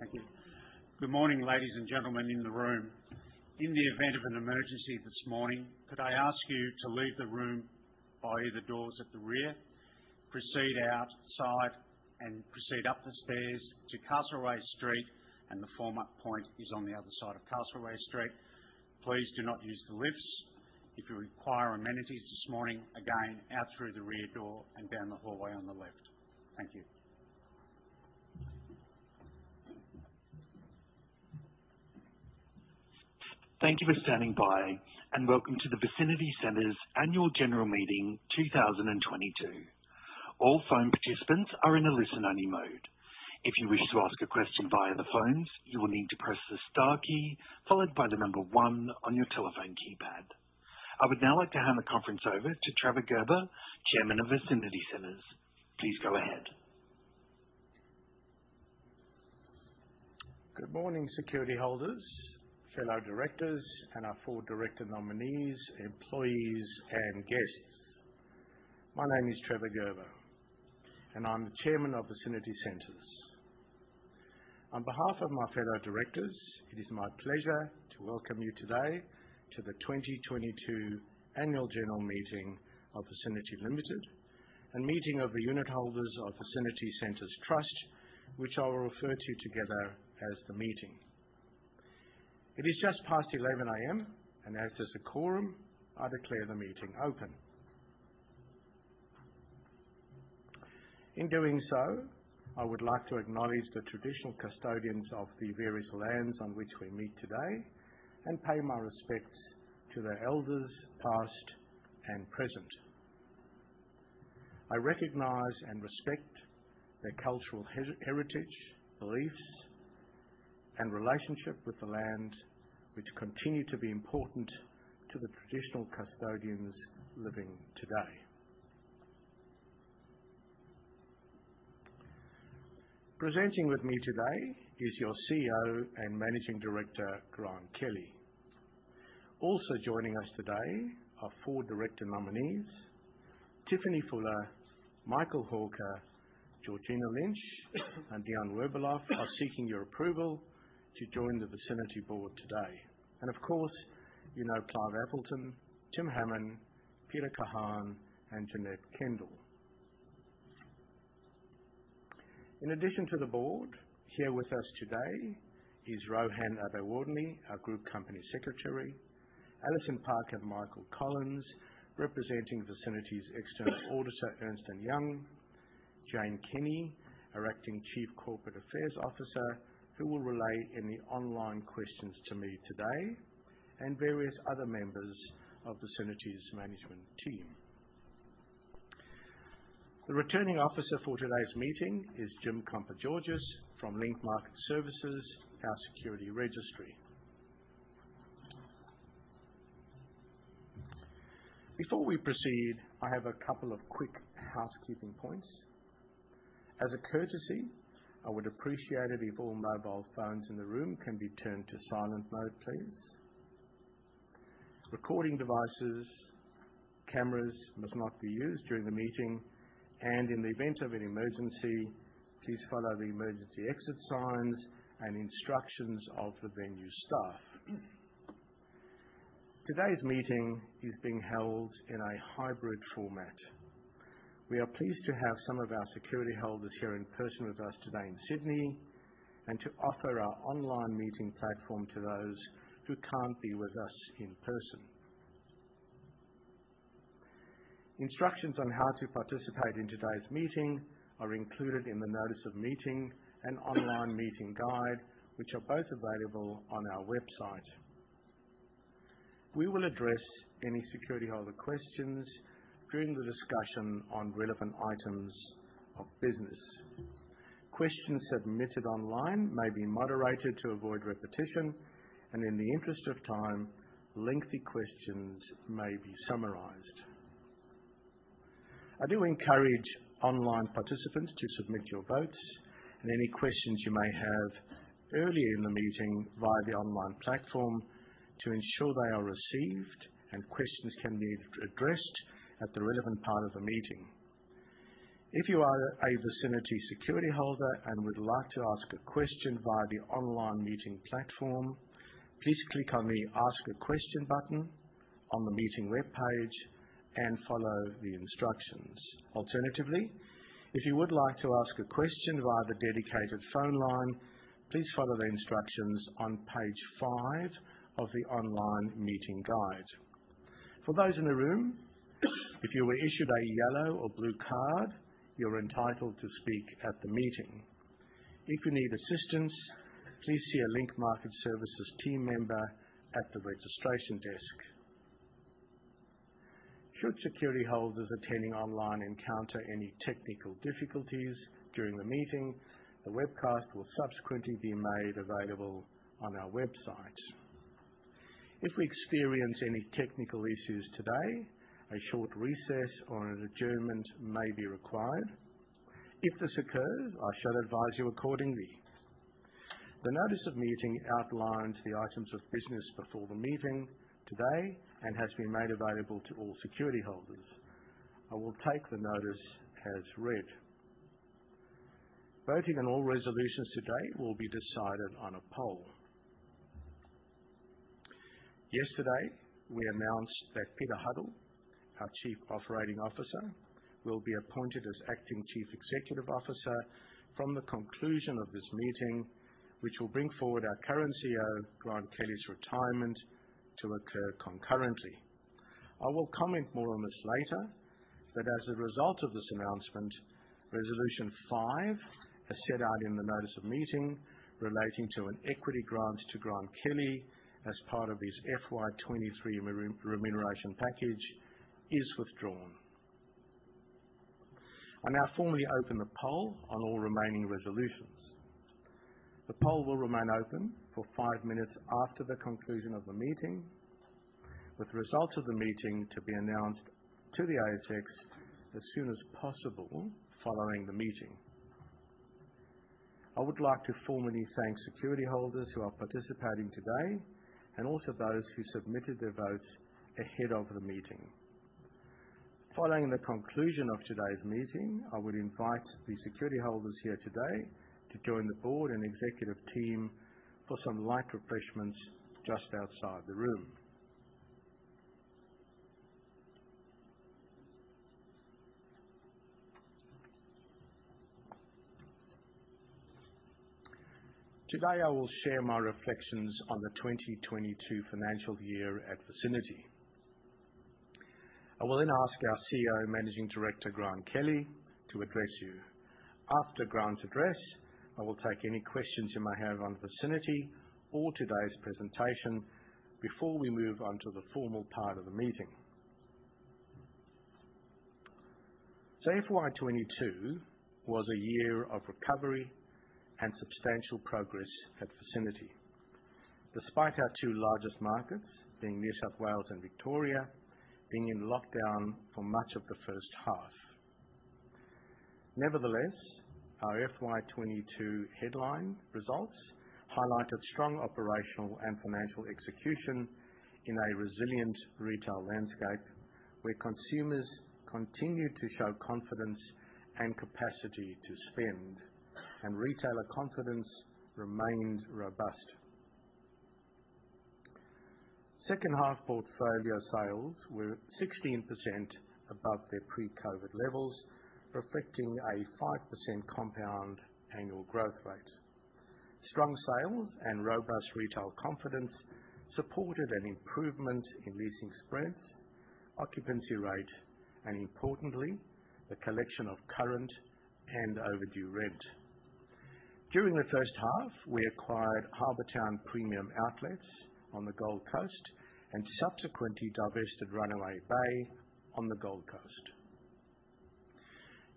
Thank you. Good morning, ladies and gentlemen in the room. In the event of an emergency this morning, could I ask you to leave the room by the doors at the rear, proceed outside and proceed up the stairs to Castlereagh Street, and the assembly point is on the other side of Castlereagh Street. Please do not use the elevators. If you require amenities this morning, again, out through the rear door and down the hallway on the left. Thank you. Thank you for standing by, and welcome to the Vicinity Centres Annual General Meeting 2022. All phone participants are in a listen-only mode. If you wish to ask a question via the phones, you will need to press the star key followed by the number one on your telephone keypad. I would now like to hand the conference over to Trevor Gerber, Chairman of Vicinity Centres. Please go ahead. Good morning, security holders, fellow directors, and our four director nominees, employees, and guests. My name is Trevor Gerber, and I'm the Chairman of Vicinity Centres. On behalf of my fellow directors, it is my pleasure to welcome you today to the 2022 Annual General Meeting of Vicinity Limited and meeting of the unit holders of Vicinity Centres Trust, which I will refer to together as the meeting. It is just past 11 A.M., and as there's a quorum, I declare the meeting open. In doing so, I would like to acknowledge the traditional custodians of the various lands on which we meet today and pay my respects to the elders, past and present. I recognize and respect their cultural heritage, beliefs, and relationship with the land which continue to be important to the traditional custodians living today. Presenting with me today is your CEO and Managing Director, Grant Kelley. Also joining us today are four director nominees. Tiffany Fuller, Michael Hawker, Georgina Lynch, and Dion Werbeloff are seeking your approval to join the Vicinity board today. Of course, you know Clive Appleton, Tim Hammond, Peter Kahan, and Jeanette Kendall. In addition to the board, here with us today is Rohan Abeyewardene, our Group Company Secretary. Alison Park and Michael Collins, representing Vicinity's external auditor, Ernst & Young. Jane Kinney, our acting Chief Corporate Affairs Officer, who will relay any online questions to me today, and various other members of Vicinity's management team. The Returning Officer for today's meeting is Jim Kompogiorgas from Link Market Services, our security registry. Before we proceed, I have a couple of quick housekeeping points. As a courtesy, I would appreciate it if all mobile phones in the room can be turned to silent mode, please. Recording devices, cameras must not be used during the meeting. In the event of an emergency, please follow the emergency exit signs and instructions of the venue staff. Today's meeting is being held in a hybrid format. We are pleased to have some of our security holders here in person with us today in Sydney and to offer our online meeting platform to those who can't be with us in person. Instructions on how to participate in today's meeting are included in the notice of meeting and online meeting guide, which are both available on our website. We will address any security holder questions during the discussion on relevant items of business. Questions submitted online may be moderated to avoid repetition, and in the interest of time, lengthy questions may be summarized. I do encourage online participants to submit your votes and any questions you may have early in the meeting via the online platform to ensure they are received and questions can be addressed at the relevant part of the meeting. If you are a Vicinity security holder and would like to ask a question via the online meeting platform, please click on the Ask a Question button on the meeting webpage and follow the instructions. Alternatively, if you would like to ask a question via the dedicated phone line, please follow the instructions on page five of the online meeting guide. For those in the room, if you were issued a yellow or blue card, you're entitled to speak at the meeting. If you need assistance, please see a Link Market Services team member at the registration desk. Should security holders attending online encounter any technical difficulties during the meeting, the webcast will subsequently be made available on our website. If we experience any technical issues today, a short recess or an adjournment may be required. If this occurs, I shall advise you accordingly. The notice of meeting outlines the items of business before the meeting today and has been made available to all security holders. I will take the notice as read. Voting on all resolutions today will be decided on a poll. Yesterday, we announced that Peter Huddle, our Chief Operating Officer, will be appointed as Acting Chief Executive Officer from the conclusion of this meeting, which will bring forward our current CEO, Grant Kelley's retirement to occur concurrently. I will comment more on this later, but as a result of this announcement, resolution five, as set out in the notice of meeting relating to an equity grant to Grant Kelley as part of his FY 2023 remuneration package, is withdrawn. I now formally open the poll on all remaining resolutions. The poll will remain open for five minutes after the conclusion of the meeting, with the results of the meeting to be announced to the ASX as soon as possible following the meeting. I would like to formally thank security holders who are participating today and also those who submitted their votes ahead of the meeting. Following the conclusion of today's meeting, I would invite the security holders here today to join the board and executive team for some light refreshments just outside the room. Today, I will share my reflections on the FY 2022 at Vicinity. I will then ask our CEO, Managing Director, Grant Kelley, to address you. After Grant's address, I will take any questions you may have on Vicinity or today's presentation before we move on to the formal part of the meeting. FY 2022 was a year of recovery and substantial progress at Vicinity. Despite our two largest markets, being New South Wales and Victoria, being in lockdown for much of the first half. Nevertheless, our FY 2022 headline results highlighted strong operational and financial execution in a resilient retail landscape, where consumers continued to show confidence and capacity to spend, and retailer confidence remained robust. Second half portfolio sales were 16% above their pre-COVID levels, reflecting a 5% compound annual growth rate. Strong sales and robust retail confidence supported an improvement in leasing spreads, occupancy rate, and importantly, the collection of current and overdue rent. During the first half, we acquired Harbour Town Premium Outlets on the Gold Coast and subsequently divested Runaway Bay on the Gold Coast.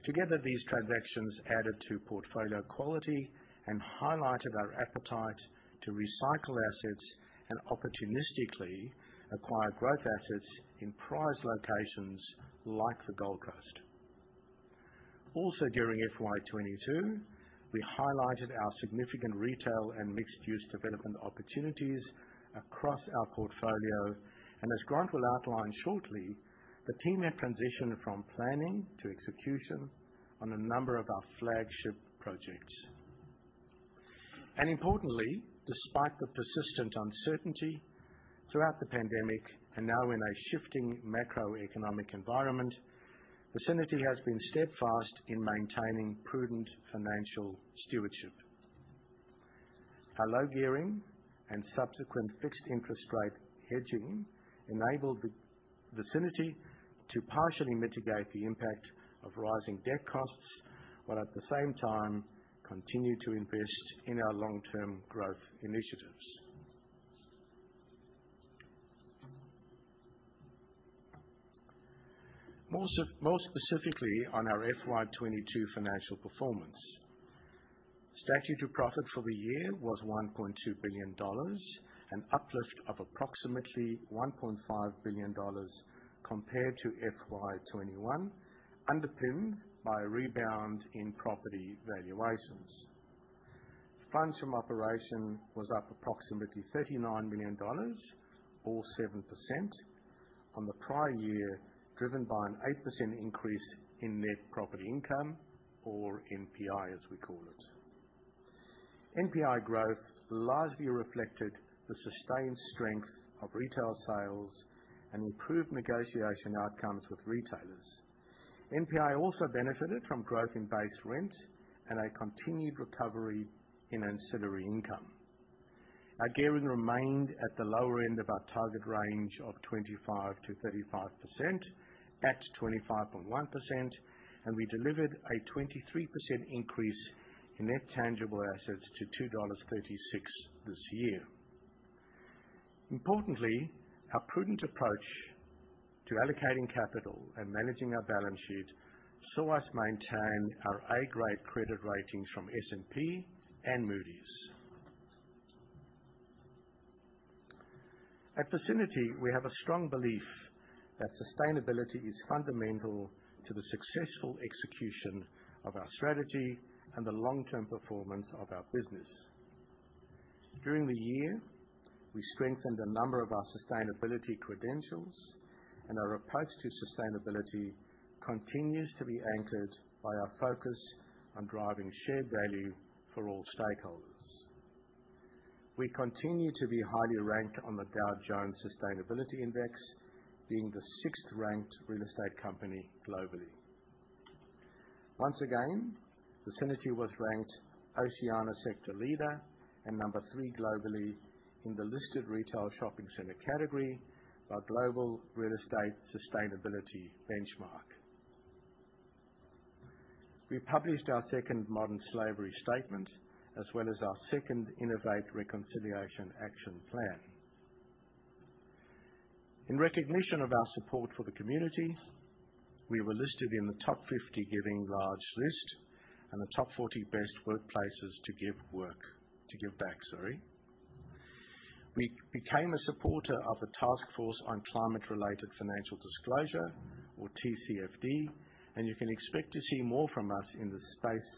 Together, these transactions added to portfolio quality and highlighted our appetite to recycle assets and opportunistically acquire growth assets in prime locations like the Gold Coast. Also during FY 2022, we highlighted our significant retail and mixed-use development opportunities across our portfolio, and as Grant will outline shortly, the team have transitioned from planning to execution on a number of our flagship projects. Importantly, despite the persistent uncertainty throughout the pandemic and now in a shifting macroeconomic environment, Vicinity has been steadfast in maintaining prudent financial stewardship. Our low gearing and subsequent fixed interest rate hedging enabled the Vicinity to partially mitigate the impact of rising debt costs, while at the same time continue to invest in our long-term growth initiatives. More specifically on our FY 2022 financial performance. Statutory profit for the year was AUD 1.2 billion, an uplift of approximately AUD 1.5 billion compared to FY 2021, underpinned by a rebound in property valuations. Funds from operation was up approximately 39 million dollars or 7% from the prior year, driven by an 8% increase in Net Property Income, or NPI, as we call it. NPI growth largely reflected the sustained strength of retail sales and improved negotiation outcomes with retailers. NPI also benefited from growth in base rent and a continued recovery in ancillary income. Our gearing remained at the lower end of our target range of 25%-35% at 25.1%, and we delivered a 23% increase in net tangible assets to 2.36 dollars this year. Importantly, our prudent approach to allocating capital and managing our balance sheet saw us maintain our A-grade credit ratings from S&P and Moody's. At Vicinity, we have a strong belief that sustainability is fundamental to the successful execution of our strategy and the long-term performance of our business. During the year, we strengthened a number of our sustainability credentials, and our approach to sustainability continues to be anchored by our focus on driving shared value for all stakeholders. We continue to be highly ranked on the Dow Jones Sustainability Index, being the sixth-ranked real estate company globally. Once again, Vicinity was ranked Oceania sector leader and number three globally in the listed retail shopping center category by Global Real Estate Sustainability Benchmark. We published our second modern slavery statement as well as our second Innovate Reconciliation Action Plan. In recognition of our support for the community, we were listed in the Top 50 Giving Large list and the Top 40 Best Workplaces to Give Back, sorry. We became a supporter of the Task Force on Climate-related Financial Disclosures, or TCFD, and you can expect to see more from us in this space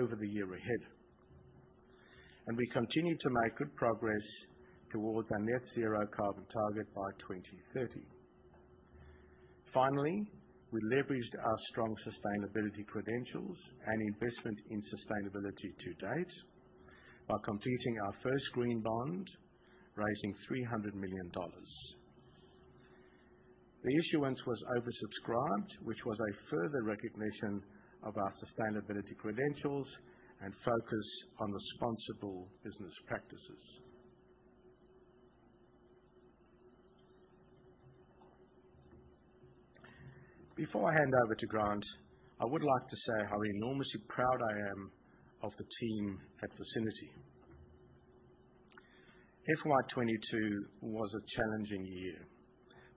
over the year ahead. We continue to make good progress towards our net zero carbon target by 2030. Finally, we leveraged our strong sustainability credentials and investment in sustainability to date by completing our first green bond, raising AUD 300 million. The issuance was oversubscribed, which was a further recognition of our sustainability credentials and focus on responsible business practices. Before I hand over to Grant, I would like to say how enormously proud I am of the team at Vicinity. FY 2022 was a challenging year,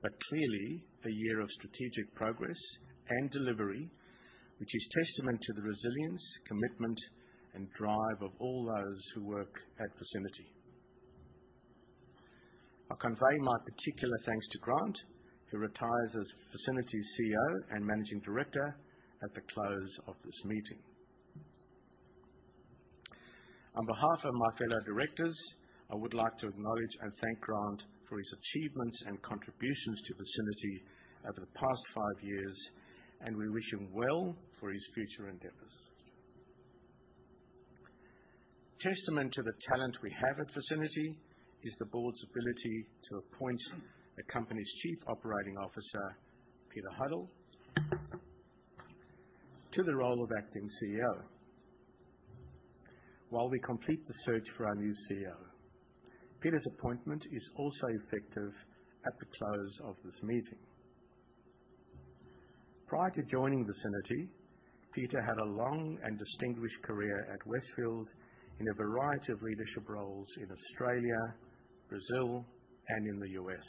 but clearly a year of strategic progress and delivery, which is testament to the resilience, commitment, and drive of all those who work at Vicinity. I'll convey my particular thanks to Grant, who retires as Vicinity's CEO and Managing Director at the close of this meeting. On behalf of my fellow directors, I would like to acknowledge and thank Grant for his achievements and contributions to Vicinity over the past five years, and we wish him well for his future endeavors. Testament to the talent we have at Vicinity is the board's ability to appoint the company's Chief Operating Officer, Peter Huddle, to the role of acting CEO while we complete the search for our new CEO. Peter's appointment is also effective at the close of this meeting. Prior to joining Vicinity, Peter had a long and distinguished career at Westfield in a variety of leadership roles in Australia, Brazil, and in the U.S.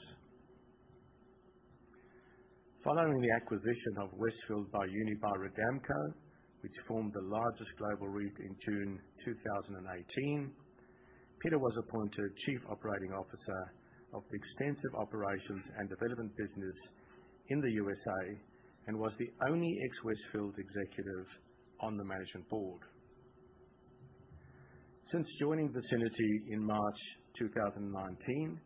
Following the acquisition of Westfield by Unibail-Rodamco-Westfield which formed the largest global REIT in June 2018, Peter was appointed Chief Operating Officer of the extensive operations and development business in the USA and was the only ex-Westfield executive on the management board. Since joining Vicinity in March 2019,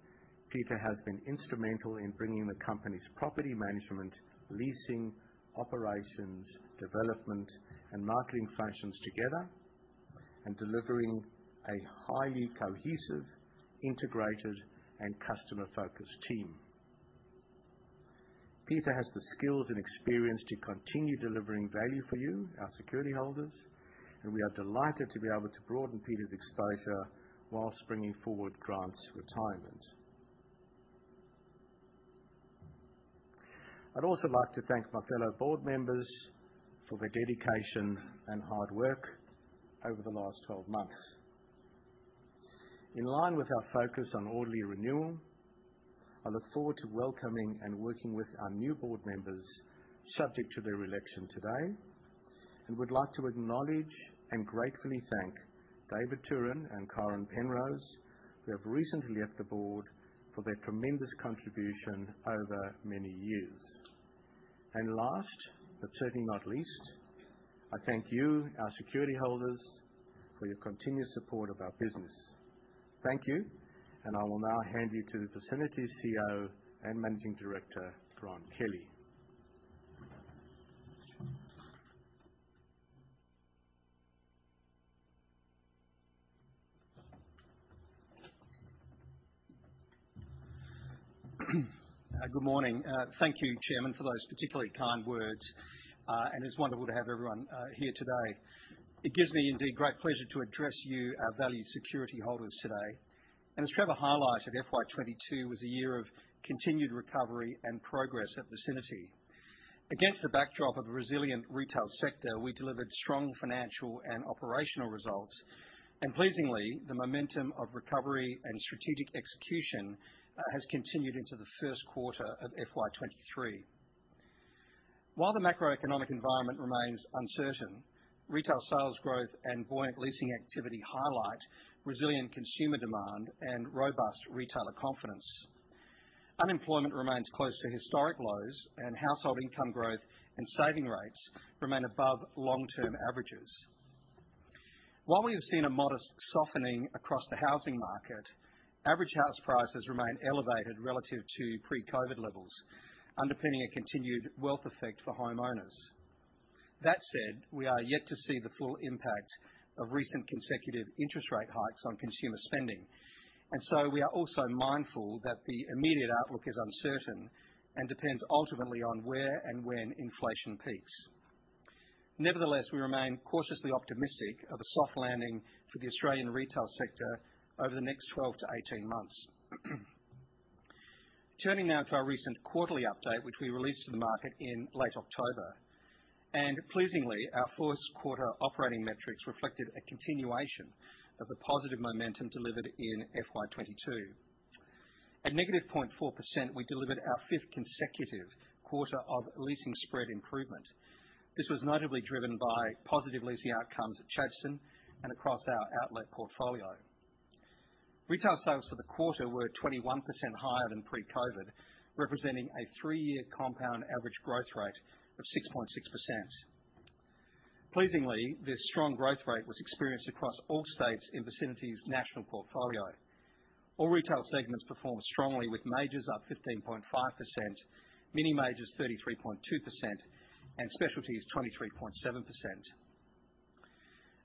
Peter has been instrumental in bringing the company's property management, leasing, operations, development, and marketing functions together and delivering a highly cohesive, integrated, and customer-focused team. Peter has the skills and experience to continue delivering value for you, our security holders, and we are delighted to be able to broaden Peter's exposure whilst bringing forward Grant's retirement. I'd also like to thank my fellow board members for their dedication and hard work over the last 12 months. In line with our focus on orderly renewal, I look forward to welcoming and working with our new board members, subject to their election today, and would like to acknowledge and gratefully thank David Thurin and Karen Penrose, who have recently left the board, for their tremendous contribution over many years. Last, but certainly not least, I thank you, our security holders, for your continued support of our business. Thank you, and I will now hand you to Vicinity's CEO and Managing Director, Grant Kelley. Good morning. Thank you, Chairman, for those particularly kind words. It's wonderful to have everyone here today. It gives me indeed great pleasure to address you, our valued security holders today. As Trevor highlighted, FY 2022 was a year of continued recovery and progress at Vicinity. Against the backdrop of a resilient retail sector, we delivered strong financial and operational results. Pleasingly, the momentum of recovery and strategic execution has continued into the first quarter of FY 2023. While the macroeconomic environment remains uncertain, retail sales growth and buoyant leasing activity highlight resilient consumer demand and robust retailer confidence. Unemployment remains close to historic lows, and household income growth and saving rates remain above long-term averages. While we have seen a modest softening across the housing market, average house prices remain elevated relative to pre-COVID levels, underpinning a continued wealth effect for homeowners. That said, we are yet to see the full impact of recent consecutive interest rate hikes on consumer spending. We are also mindful that the immediate outlook is uncertain and depends ultimately on where and when inflation peaks. Nevertheless, we remain cautiously optimistic of a soft landing for the Australian retail sector over the next 12-18 months. Turning now to our recent quarterly update, which we released to the market in late October, and pleasingly, our fourth quarter operating metrics reflected a continuation of the positive momentum delivered in FY 2022. At -0.4%, we delivered our fifth consecutive quarter of leasing spread improvement. This was notably driven by positive leasing outcomes at Chadstone and across our outlet portfolio. Retail sales for the quarter were 21% higher than pre-COVID, representing a three-year compound average growth rate of 6.6%. Pleasingly, this strong growth rate was experienced across all states in Vicinity's national portfolio. All retail segments performed strongly, with majors up 15.5%, mini majors 33.2%, and specialties 23.7%.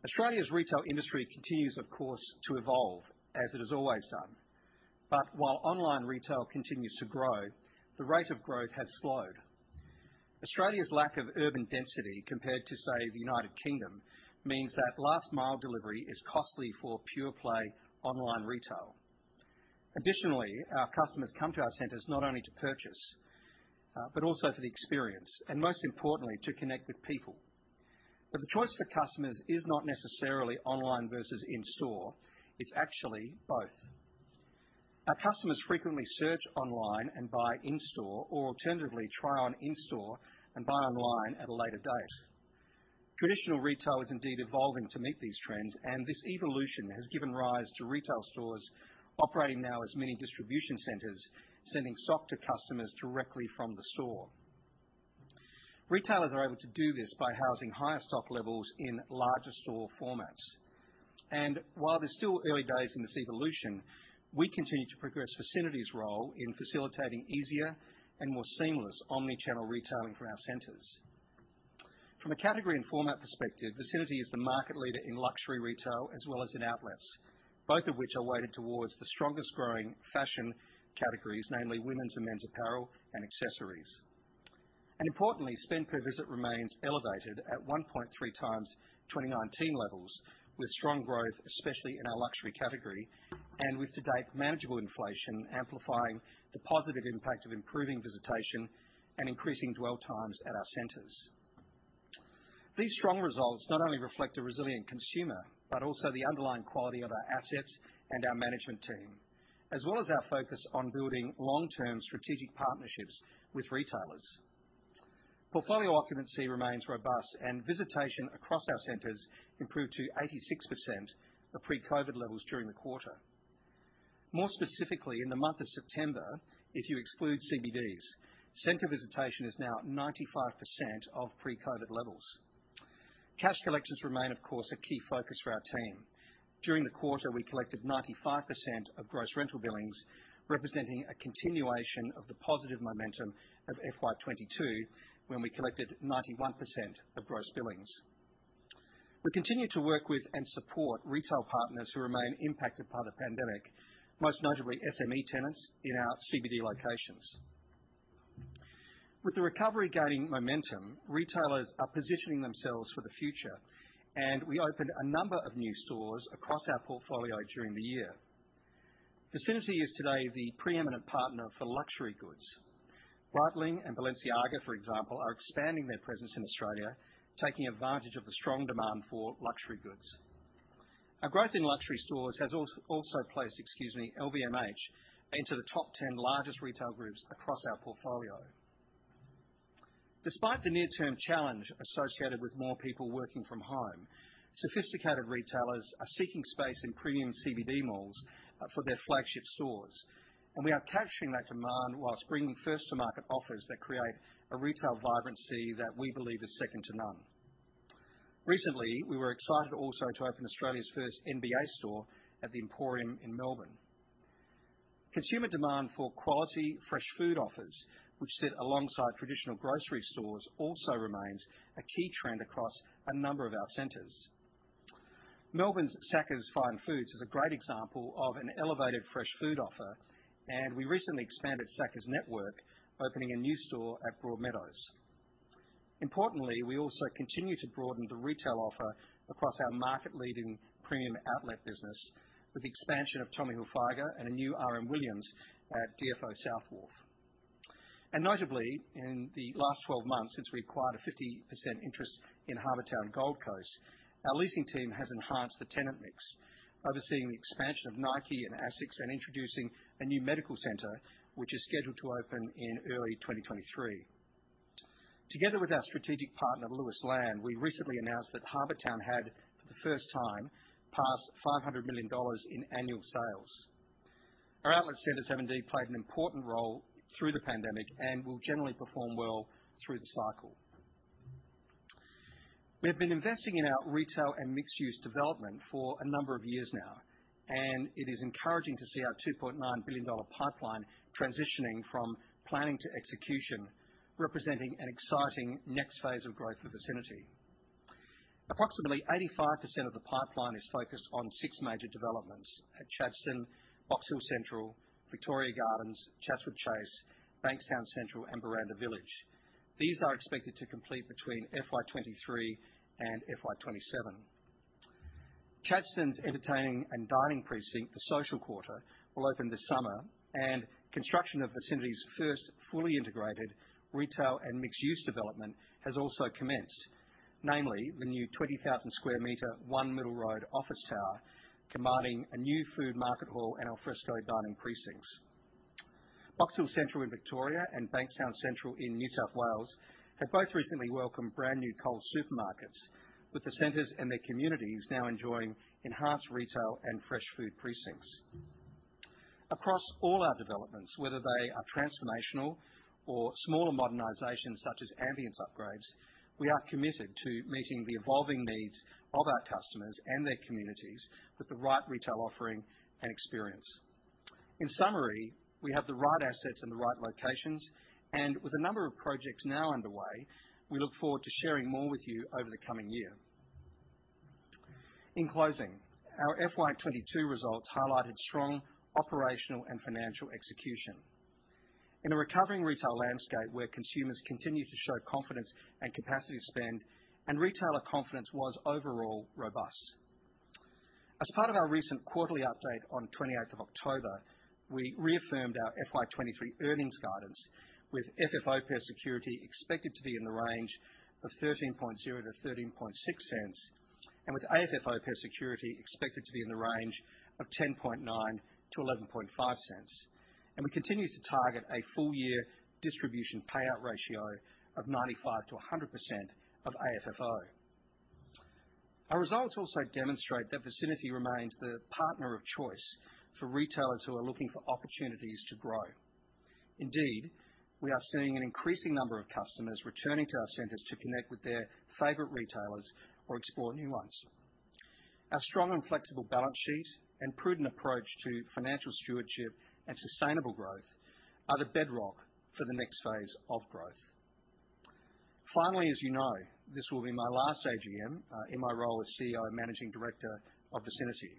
Australia's retail industry continues, of course, to evolve as it has always done. While online retail continues to grow, the rate of growth has slowed. Australia's lack of urban density compared to, say, the United Kingdom, means that last mile delivery is costly for pure play online retail. Additionally, our customers come to our centers not only to purchase, but also for the experience and most importantly, to connect with people. The choice for customers is not necessarily online versus in-store. It's actually both. Our customers frequently search online and buy in-store, or alternatively try on in-store and buy online at a later date. Traditional retail is indeed evolving to meet these trends, and this evolution has given rise to retail stores operating now as mini distribution centers, sending stock to customers directly from the store. Retailers are able to do this by housing higher stock levels in larger store formats. While it's still early days in this evolution, we continue to progress Vicinity's role in facilitating easier and more seamless omnichannel retailing for our centers. From a category and format perspective, Vicinity is the market leader in luxury retail as well as in outlets, both of which are weighted towards the strongest growing fashion categories, namely women's and men's apparel and accessories. Importantly, spend per visit remains elevated at 1.3 times 2019 levels, with strong growth, especially in our luxury category and with to date manageable inflation, amplifying the positive impact of improving visitation and increasing dwell times at our centers. These strong results not only reflect a resilient consumer, but also the underlying quality of our assets and our management team, as well as our focus on building long-term strategic partnerships with retailers. Portfolio occupancy remains robust, and visitation across our centers improved to 86% of pre-COVID levels during the quarter. More specifically, in the month of September, if you exclude CBDs, center visitation is now 95% of pre-COVID levels. Cash collections remain, of course, a key focus for our team. During the quarter, we collected 95% of gross rental billings, representing a continuation of the positive momentum of FY 2022, when we collected 91% of gross billings. We continue to work with and support retail partners who remain impacted by the pandemic, most notably SME tenants in our CBD locations. With the recovery gaining momentum, retailers are positioning themselves for the future, and we opened a number of new stores across our portfolio during the year. Vicinity is today the preeminent partner for luxury goods. Breitling and Balenciaga, for example, are expanding their presence in Australia, taking advantage of the strong demand for luxury goods. Our growth in luxury stores has also placed LVMH into the top 10 largest retail groups across our portfolio. Despite the near-term challenge associated with more people working from home, sophisticated retailers are seeking space in premium CBD malls for their flagship stores, and we are capturing that demand whilst bringing first to market offers that create a retail vibrancy that we believe is second to none. Recently, we were excited also to open Australia's first NBA store at Emporium Melbourne. Consumer demand for quality fresh food offers, which sit alongside traditional grocery stores, also remains a key trend across a number of our centers. Melbourne's Sacca's Fine Foods is a great example of an elevated fresh food offer, and we recently expanded Sacca's network, opening a new store at Broadmeadows. Importantly, we also continue to broaden the retail offer across our market leading premium outlet business with the expansion of Tommy Hilfiger and a new R.M. Williams at DFO South Wharf. Notably, in the last 12 months since we acquired a 50% interest in Harbour Town Gold Coast, our leasing team has enhanced the tenant mix, overseeing the expansion of Nike and ASICS and introducing a new medical center which is scheduled to open in early 2023. Together with our strategic partner, Lewis Land Group, we recently announced that Harbour Town had, for the first time, passed 500 million dollars in annual sales. Our outlet centers have indeed played an important role through the pandemic and will generally perform well through the cycle. We have been investing in our retail and mixed-use development for a number of years now, and it is encouraging to see our 2.9 billion dollar pipeline transitioning from planning to execution, representing an exciting next phase of growth for Vicinity Centres. Approximately 85% of the pipeline is focused on six major developments at Chadstone, Box Hill Central, Victoria Gardens, Chatswood Chase, Bankstown Central, and Buranda Village. These are expected to complete between FY 2023 and FY 2027. Chadstone's entertaining and dining precinct, The Social Quarter, will open this summer, and construction of Vicinity's first fully integrated retail and mixed-use development has also commenced, namely the new 20,000 square meter One Middle Road office tower, commanding a new food market hall and al fresco dining precincts. Box Hill Central in Victoria and Bankstown Central in New South Wales have both recently welcomed brand new Coles supermarkets, with the centers and their communities now enjoying enhanced retail and fresh food precincts. Across all our developments, whether they are transformational or smaller modernizations such as ambience upgrades, we are committed to meeting the evolving needs of our customers and their communities with the right retail offering and experience. In summary, we have the right assets in the right locations, and with a number of projects now underway, we look forward to sharing more with you over the coming year. In closing, our FY 2022 results highlighted strong operational and financial execution. In a recovering retail landscape where consumers continue to show confidence and capacity to spend, and retailer confidence was overall robust. As part of our recent quarterly update on 28th of October, we reaffirmed our FY 2023 earnings guidance, with FFO per security expected to be in the range of AUD 0.130-AUD 0.136, and with AFFO per security expected to be in the range of AUD 0.109-AUD 0.115. We continue to target a full year distribution payout ratio of 95%-100% of AFFO. Our results also demonstrate that Vicinity remains the partner of choice for retailers who are looking for opportunities to grow. Indeed, we are seeing an increasing number of customers returning to our centers to connect with their favorite retailers or explore new ones. Our strong and flexible balance sheet and prudent approach to financial stewardship and sustainable growth are the bedrock for the next phase of growth. Finally, as you know, this will be my last AGM in my role as CEO and Managing Director of Vicinity.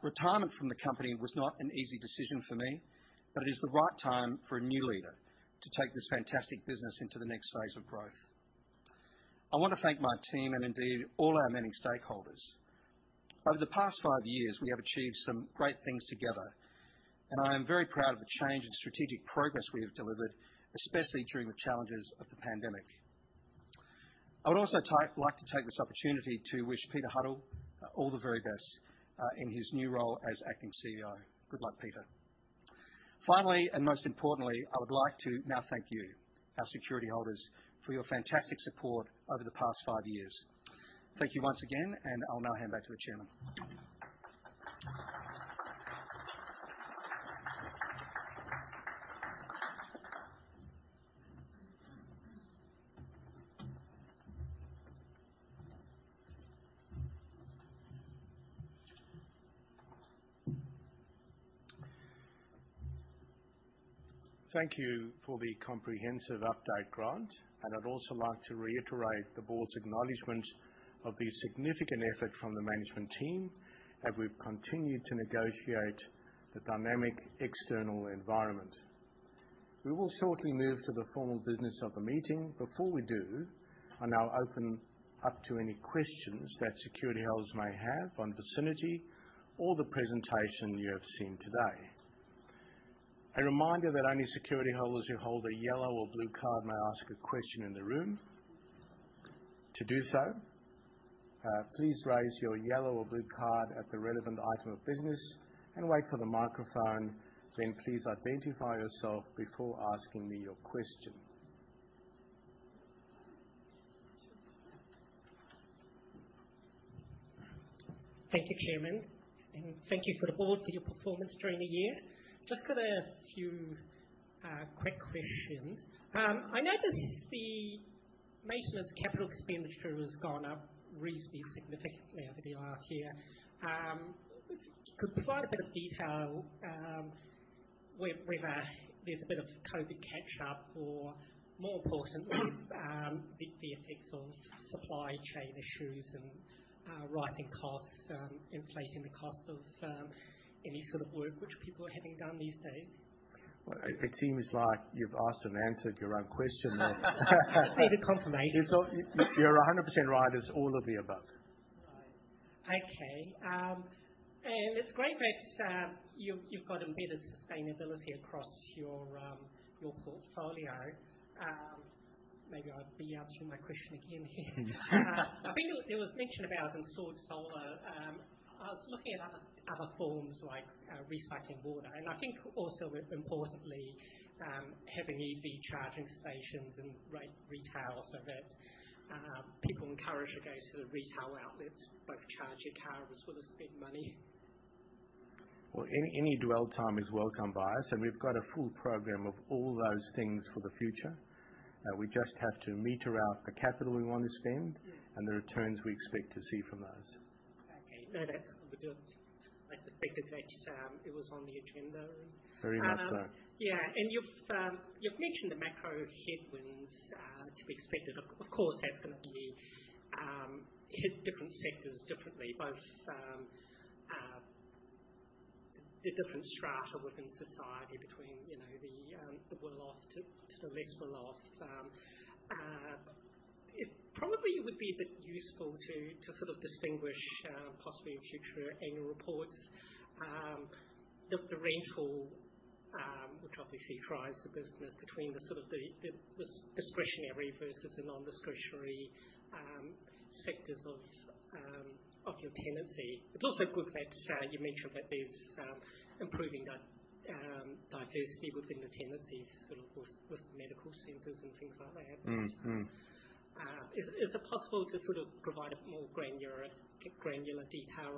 Retirement from the company was not an easy decision for me, but it is the right time for a new leader to take this fantastic business into the next phase of growth. I want to thank my team and indeed all our many stakeholders. Over the past five years, we have achieved some great things together, and I am very proud of the change and strategic progress we have delivered, especially during the challenges of the pandemic. I would also like to take this opportunity to wish Peter Huddle all the very best in his new role as acting CEO. Good luck, Peter. Finally, and most importantly, I would like to now thank you, our security holders, for your fantastic support over the past five years. Thank you once again, and I'll now hand back to the chairman. Thank you for the comprehensive update, Grant, and I'd also like to reiterate the board's acknowledgement of the significant effort from the management team as we've continued to negotiate the dynamic external environment. We will shortly move to the formal business of the meeting. Before we do, I'll now open up to any questions that security holders may have on Vicinity or the presentation you have seen today. A reminder that only security holders who hold a yellow or blue card may ask a question in the room. To do so, please raise your yellow or blue card at the relevant item of business and wait for the microphone. Then please identify yourself before asking me your question. Thank you, Chairman, and thank you for the board for your performance during the year. Just got a few quick questions. I notice the maintenance capital expenditure has gone up reasonably significantly over the last year. Could you provide a bit of detail whether there's a bit of COVID catch up or more importantly the effects on supply chain issues and rising costs inflating the cost of any sort of work which people are having done these days? Well, it seems like you've asked and answered your own question there. Just needed confirmation. You're 100% right. It's all of the above. Right. Okay. It's great that you've got embedded sustainability across your portfolio. Maybe I'll be answering my question again here. I think it was mentioned about installed solar. I was looking at other forms like recycling water. I think also importantly having EV charging stations and retail so that people encourage to go to the retail outlets, both charge your car as well as spend money. Well, any dwell time is welcome by us, and we've got a full program of all those things for the future. We just have to meter out the capital we want to spend. Yeah. And the returns we expect to see from those. Okay. No, that's good. I suspected that, it was on the agenda. Very much so. Yeah. You've mentioned the macro headwinds to be expected. Of course, that's gonna be hit different sectors differently, both the different strata within society between, you know, the well off to the less well off. It probably would be a bit useful to sort of distinguish, possibly in future annual reports, the rental, which obviously drives the business between the sort of discretionary versus the non-discretionary sectors of your tenancy. It's also good that you mentioned that there's improving diversity within the tenancy, sort of with medical centers and things like that. Mm-hmm. Is it possible to sort of provide a more granular detail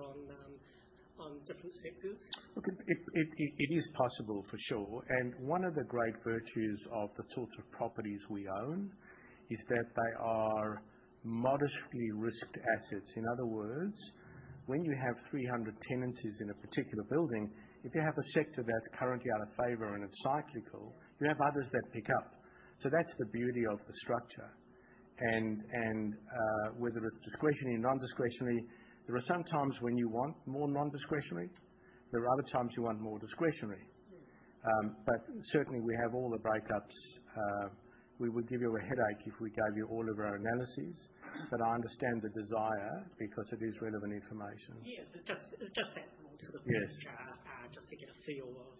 on different sectors? Look, it is possible for sure. One of the great virtues of the sorts of properties we own is that they are modestly risked assets. In other words, when you have 300 tenancies in a particular building, if you have a sector that's currently out of favor and it's cyclical, you have others that pick up. That's the beauty of the structure. Whether it's discretionary or non-discretionary, there are some times when you want more non-discretionary. There are other times you want more discretionary. Yeah. Certainly we have all the breakups. We would give you a headache if we gave you all of our analyses. I understand the desire because it is relevant information. Yeah. It's just that more to the point. Yes. Just to get a feel of, you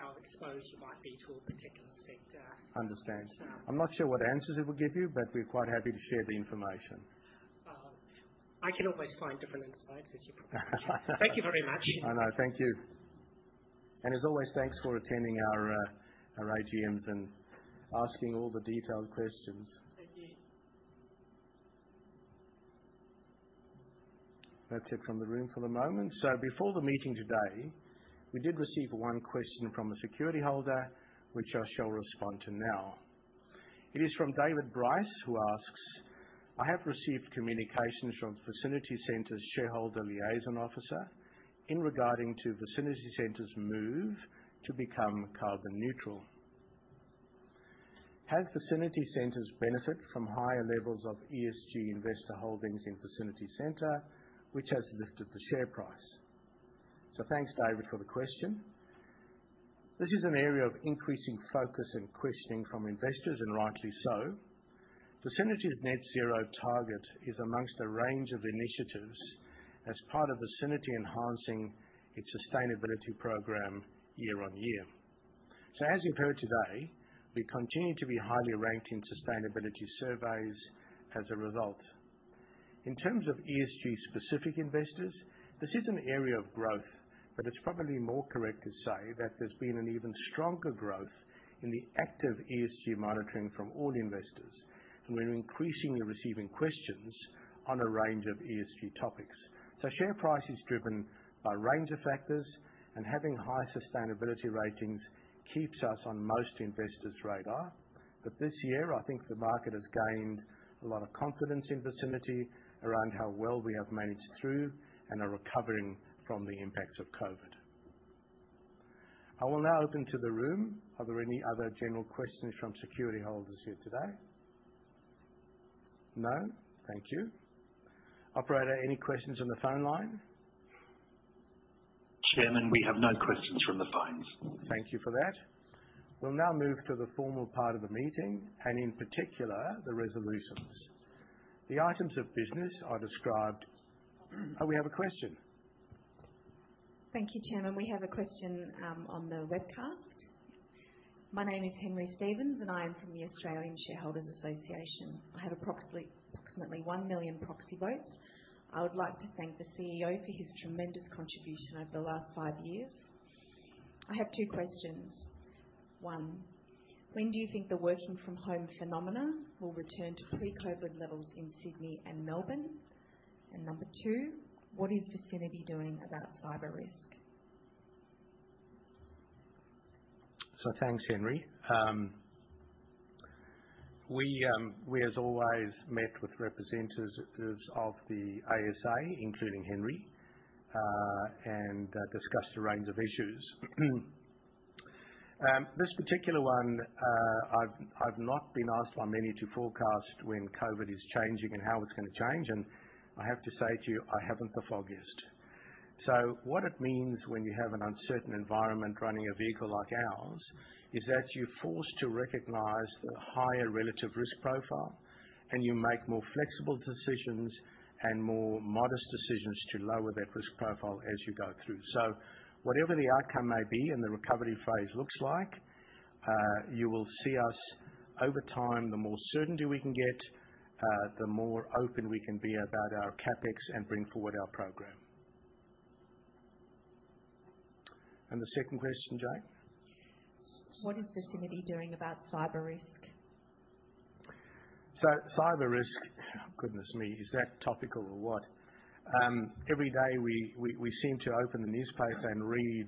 know, how exposed you might be to a particular sector. Understand. Um- I'm not sure what answers it will give you, but we're quite happy to share the information. I can always find different insights. Thank you very much. No, thank you. As always, thanks for attending our AGMs and asking all the detailed questions. Thank you. That's it from the room for the moment. Before the meeting today, we did receive one question from a security holder, which I shall respond to now. It is from David Bryce, who asks, "I have received communications from Vicinity Centres' shareholder liaison officer in regarding to Vicinity Centres' move to become carbon neutral. Has Vicinity Centres benefit from higher levels of ESG investor holdings in Vicinity Centre, which has lifted the share price?" Thanks, David, for the question. This is an area of increasing focus and questioning from investors, and rightly so. Vicinity's net zero target is amongst a range of initiatives as part of Vicinity enhancing its sustainability program year on year. As you've heard today, we continue to be highly ranked in sustainability surveys as a result. In terms of ESG specific investors, this is an area of growth, but it's probably more correct to say that there's been an even stronger growth in the active ESG monitoring from all investors. We're increasingly receiving questions on a range of ESG topics. Share price is driven by a range of factors, and having high sustainability ratings keeps us on most investors' radar. This year, I think the market has gained a lot of confidence in Vicinity around how well we have managed through and are recovering from the impacts of COVID. I will now open to the room. Are there any other general questions from security holders here today? No? Thank you. Operator, any questions on the phone line? Chairman, we have no questions from the phones. Thank you for that. We'll now move to the formal part of the meeting and in particular, the resolutions. The items of business are described. Oh, we have a question. Thank you, Chairman. We have a question on the webcast. My name is Henry Stevens, and I am from the Australian Shareholders' Association. I have approximately 1 million proxy votes. I would like to thank the CEO for his tremendous contribution over the last five years. I have two questions. One, when do you think the working from home phenomena will return to pre-COVID levels in Sydney and Melbourne? Number two, what is Vicinity doing about cyber risk? Thanks, Henry. We as always met with representatives of the ASA, including Henry, and discussed a range of issues. This particular one, I've not been asked by many to forecast when COVID is changing and how it's gonna change, and I have to say to you, I haven't the foggiest. What it means when you have an uncertain environment running a vehicle like ours is that you're forced to recognize the higher relative risk profile and you make more flexible decisions and more modest decisions to lower that risk profile as you go through. Whatever the outcome may be and the recovery phase looks like, you will see us over time, the more certainty we can get, the more open we can be about our CapEx and bring forward our program. The second question, Jane? What is Vicinity doing about cyber risk? Cyber risk. Goodness me. Is that topical or what? Every day we seem to open the newspaper and read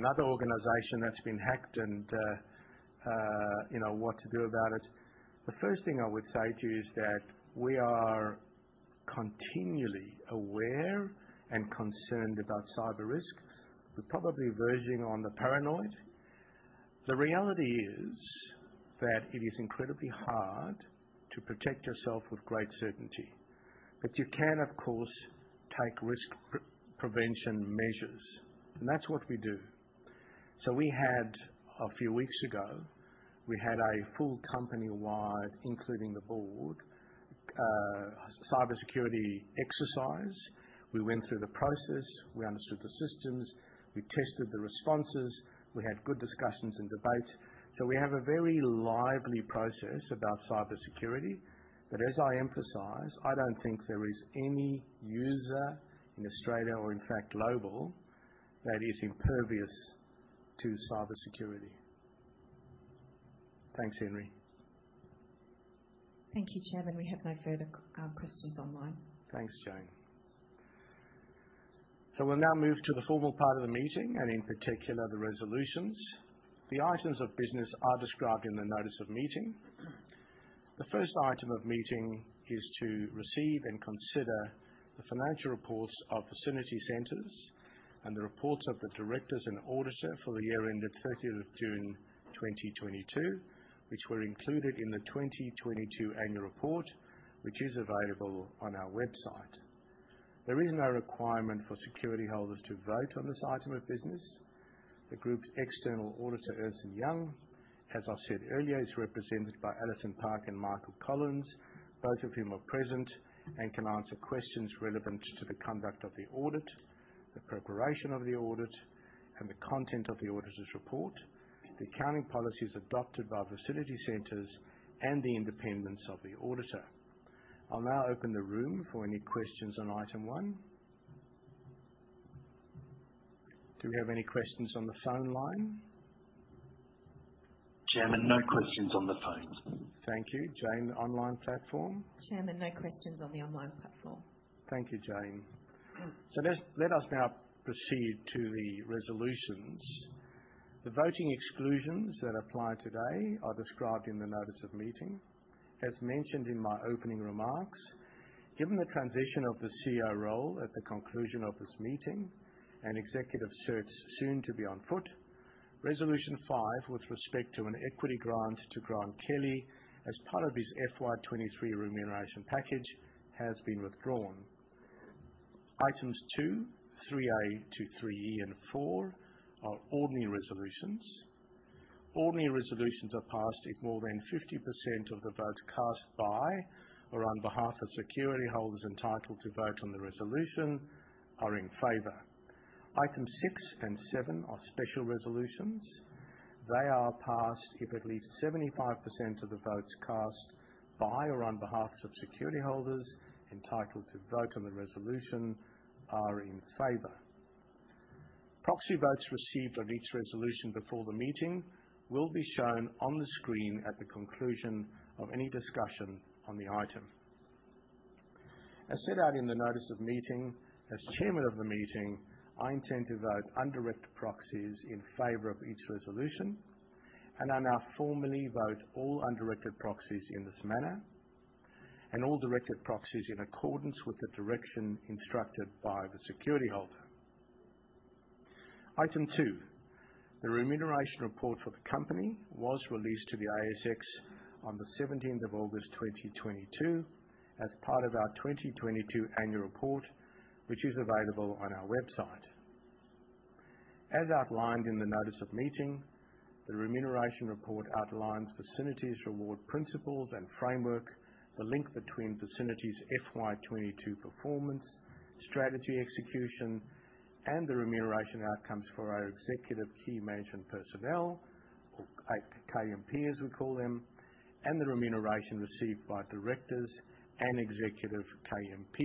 another organization that's been hacked and, you know what to do about it. The first thing I would say to you is that we are continually aware and concerned about cyber risk. We're probably verging on the paranoid. The reality is that it is incredibly hard to protect yourself with great certainty. You can, of course, take risk prevention measures, and that's what we do. A few weeks ago, we had a full company-wide, including the board, cybersecurity exercise. We went through the process. We understood the systems. We tested the responses. We had good discussions and debates. We have a very lively process about cybersecurity. As I emphasize, I don't think there is any user in Australia or in fact global that is impervious to cybersecurity. Thanks, Henry. Thank you, Chairman. We have no further questions online. Thanks, Jane. We'll now move to the formal part of the meeting and in particular the resolutions. The items of business are described in the notice of meeting. The first item of meeting is to receive and consider the financial reports of Vicinity Centres and the reports of the directors and auditor for the year ended 30th of June 2022, which were included in the 2022 annual report, which is available on our website. There is no requirement for security holders to vote on this item of business. The group's external auditor, Ernst & Young, as I said earlier, is represented by Alison Park and Michael Collins, both of whom are present and can answer questions relevant to the conduct of the audit, the preparation of the audit, and the content of the auditor's report, the accounting policies adopted by Vicinity Centres, and the independence of the auditor. I'll now open the room for any questions on Item 1. Do we have any questions on the phone line? Chairman, no questions on the phone. Thank you. Jane, online platform? Chairman, no questions on the online platform. Thank you, Jane. Let us now proceed to the resolutions. The voting exclusions that apply today are described in the notice of meeting. As mentioned in my opening remarks, given the transition of the CEO role at the conclusion of this meeting and executive search soon to be on foot, Resolution 5 with respect to an equity grant to Grant Kelley as part of his FY 2023 remuneration package has been withdrawn. Items 2, 3A to 3E and 4 are ordinary resolutions. Ordinary resolutions are passed if more than 50% of the votes cast by or on behalf of security holders entitled to vote on the resolution are in favor. Item 6 and 7 are special resolutions. They are passed if at least 75% of the votes cast by or on behalf of security holders entitled to vote on the resolution are in favor. Proxy votes received on each resolution before the meeting will be shown on the screen at the conclusion of any discussion on the item. As set out in the notice of meeting, as chairman of the meeting, I intend to vote undirected proxies in favor of each resolution, and I now formally vote all undirected proxies in this manner and all directed proxies in accordance with the direction instructed by the security holder. Item 2. The remuneration report for the company was released to the ASX on the seventeenth of August 2022 as part of our 2022 annual report, which is available on our website. As outlined in the notice of meeting, the remuneration report outlines Vicinity's reward principles and framework, the link between Vicinity's FY 2022 performance, strategy execution, and the remuneration outcomes for our executive Key Management Personnel or KMP as we call them, and the remuneration received by directors and executive KMP.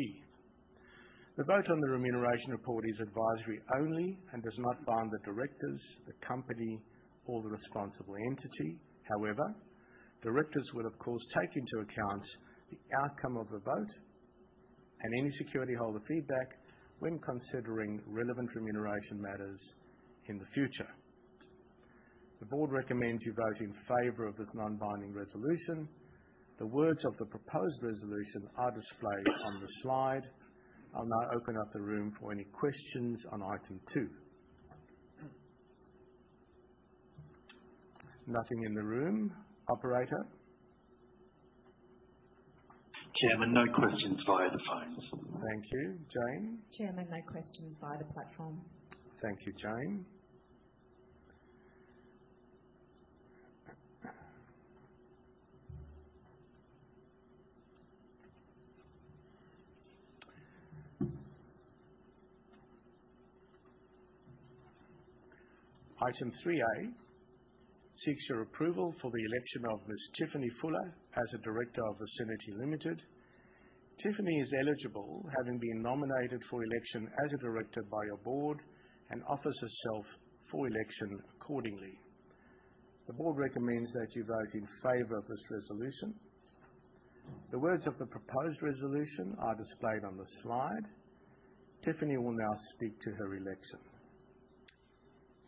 The vote on the remuneration report is advisory only and does not bind the directors, the company or the responsible entity. However, directors will of course take into account the outcome of the vote and any security holder feedback when considering relevant remuneration matters in the future. The board recommends you vote in favor of this non-binding resolution. The words of the proposed resolution are displayed on the slide. I'll now open up the room for any questions on Item 2. Nothing in the room. Operator? Chairman, no questions via the phone. Thank you. Jane? Chairman, no questions via the platform. Thank you, Jane. Item 3A seeks your approval for the election of Ms. Tiffany Fuller as a director of Vicinity Limited. Tiffany is eligible, having been nominated for election as a director by our board and offers herself for election accordingly. The board recommends that you vote in favor of this resolution. The words of the proposed resolution are displayed on the slide. Tiffany will now speak to her election.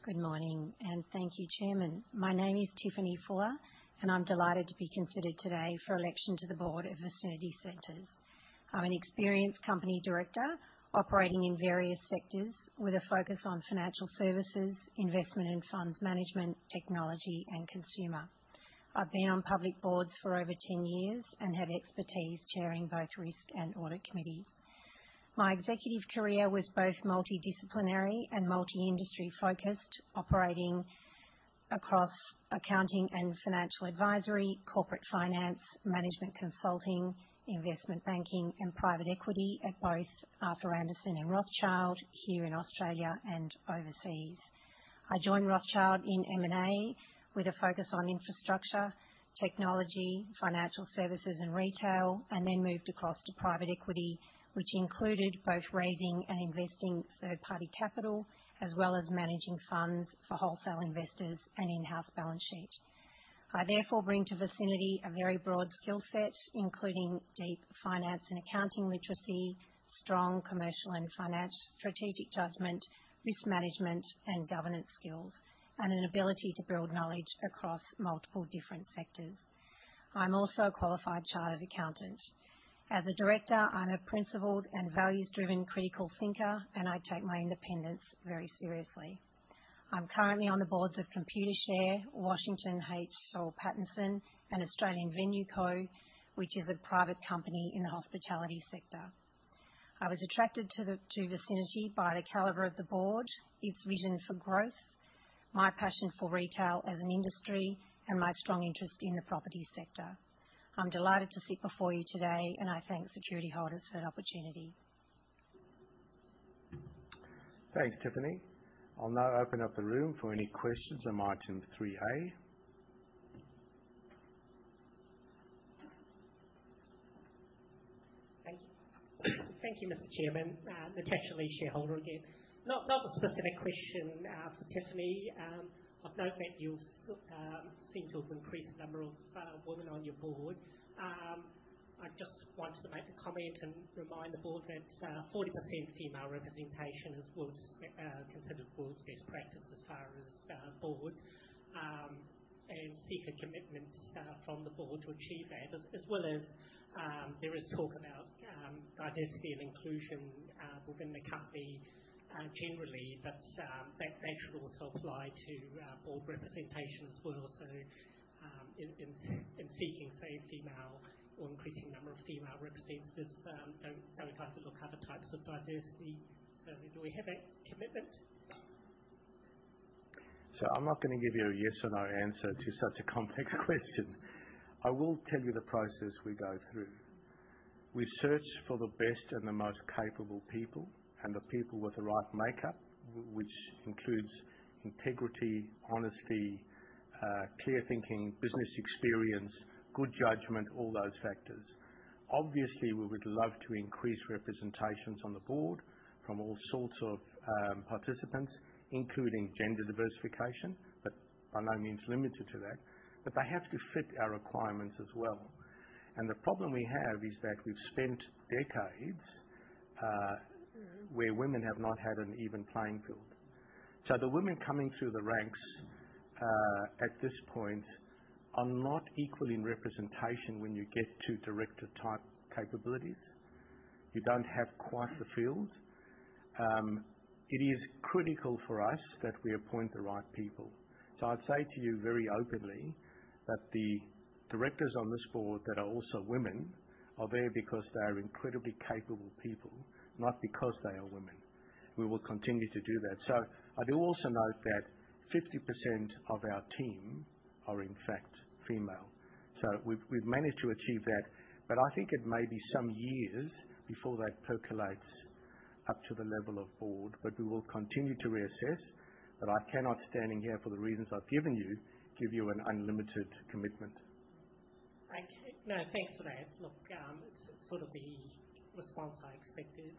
Good morning, and thank you, Chairman. My name is Tiffany Fuller, and I'm delighted to be considered today for election to the board of Vicinity Centres. I'm an experienced company director operating in various sectors with a focus on financial services, investment and funds management, technology, and consumer. I've been on public boards for over ten years and have expertise chairing both risk and audit committees. My executive career was both multidisciplinary and multi-industry focused, operating across accounting and financial advisory, corporate finance, management consulting, investment banking, and private equity at both Arthur Andersen and Rothschild here in Australia and overseas. I joined Rothschild in M&A with a focus on infrastructure, technology, financial services, and retail, and then moved across to private equity, which included both raising and investing third-party capital, as well as managing funds for wholesale investors and in-house balance sheet. I therefore bring to Vicinity a very broad skill set, including deep finance and accounting literacy, strong commercial and financial strategic judgment, risk management and governance skills, and an ability to build knowledge across multiple different sectors. I'm also a qualified chartered accountant. As a director, I'm a principled and values-driven critical thinker, and I take my independence very seriously. I'm currently on the boards of Computershare, Washington H. Soul Pattinson, and Australian Venue Co, which is a private company in the hospitality sector. I was attracted to Vicinity by the caliber of the board, its vision for growth, my passion for retail as an industry, and my strong interest in the property sector. I'm delighted to sit before you today, and I thank security holders for the opportunity. Thanks, Tiffany. I'll now open up the room for any questions on Item 3A. Thank you. Thank you, Mr. Chairman. Natasha Lee, shareholder again. Not a specific question for Tiffany. I've noted that you seem to have increased the number of women on your board. I just wanted to make a comment and remind the board that 40% female representation is considered world's best practice as far as boards and seek a commitment from the board to achieve that. As well as there is talk about diversity and inclusion within the company generally. But that should also apply to board representation as well. So in seeking, say, female or increasing number of female representatives, don't we have to look at other types of diversity. So do we have that commitment? I'm not gonna give you a yes or no answer to such a complex question. I will tell you the process we go through. We search for the best and the most capable people and the people with the right makeup, which includes integrity, honesty, clear thinking, business experience, good judgment, all those factors. Obviously, we would love to increase representations on the board from all sorts of participants, including gender diversification, but by no means limited to that. They have to fit our requirements as well. The problem we have is that we've spent decades where women have not had an even playing field. The women coming through the ranks at this point are not equal in representation when you get to director-type capabilities. You don't have quite the field. It is critical for us that we appoint the right people. I'd say to you very openly that the directors on this board that are also women are there because they are incredibly capable people, not because they are women. We will continue to do that. I do also note that 50% of our team are, in fact, female. We've managed to achieve that, but I think it may be some years before that percolates up to the level of board. We will continue to reassess, but I cannot, standing here for the reasons I've given you, give you an unlimited commitment. Okay. No, thanks for that. Look, sort of the response I expected.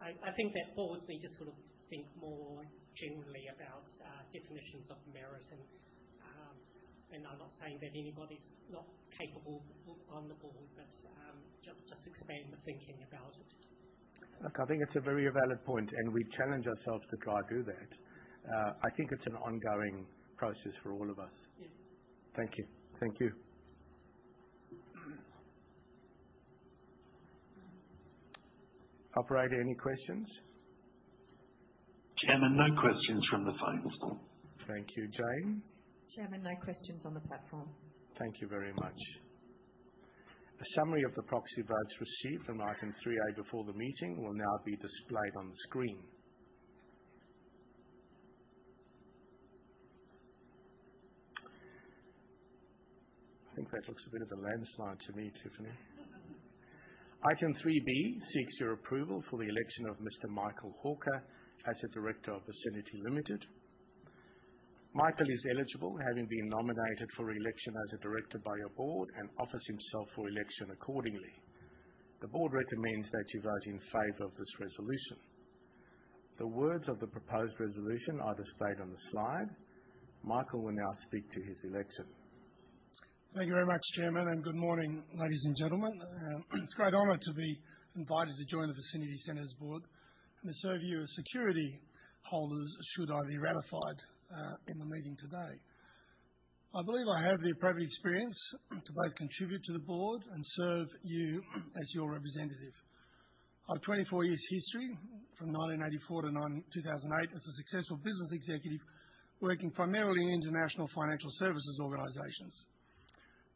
I think that pause made you sort of think more generally about definitions of merit, and I'm not saying that anybody's not capable on the board, but just expand the thinking about it. Look, I think it's a very valid point, and we challenge ourselves to try to do that. I think it's an ongoing process for all of us. Yeah. Thank you. Thank you. Operator, any questions? Chairman, no questions from the phones. Thank you. Jane? Chairman, no questions on the platform. Thank you very much. A summary of the proxy votes received from Item 3A before the meeting will now be displayed on the screen. I think that looks a bit of a landslide to me, Tiffany. Item 3B seeks your approval for the election of Mr. Michael Hawker as a director of Vicinity Limited. Michael is eligible, having been nominated for election as a director by your board and offers himself for election accordingly. The board recommends that you vote in favor of this resolution. The words of the proposed resolution are displayed on the slide. Michael will now speak to his election. Thank you very much, Chairman, and good morning, ladies and gentlemen. It's a great honor to be invited to join the Vicinity Centres board and to serve you as security holders should I be ratified in the meeting today. I believe I have the appropriate experience to both contribute to the board and serve you as your representative. I have 24 years history from 1984 to 2008 as a successful business executive, working primarily in international financial services organizations.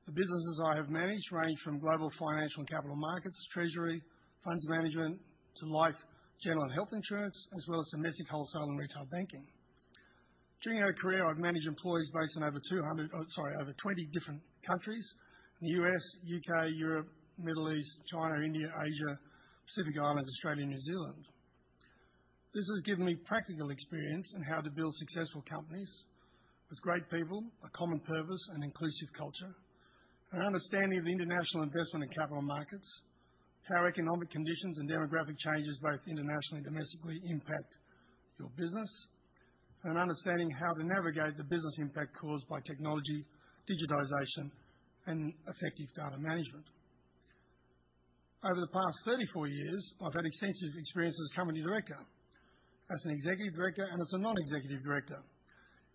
The businesses I have managed range from global financial and capital markets, treasury, funds management to life, general and health insurance, as well as domestic, wholesale, and retail banking. During our career, I've managed employees based in over twenty different countries, the U.S., U.K., Europe, Middle East, China, India, Asia, Pacific Islands, Australia, and New Zealand. This has given me practical experience in how to build successful companies with great people, a common purpose, an inclusive culture. An understanding of the international investment in capital markets, how economic conditions and demographic changes, both internationally and domestically, impact your business. Understanding how to navigate the business impact caused by technology, digitization, and effective data management. Over the past 34 years, I've had extensive experience as a company director, as an executive director, and as a Non-Executive Director,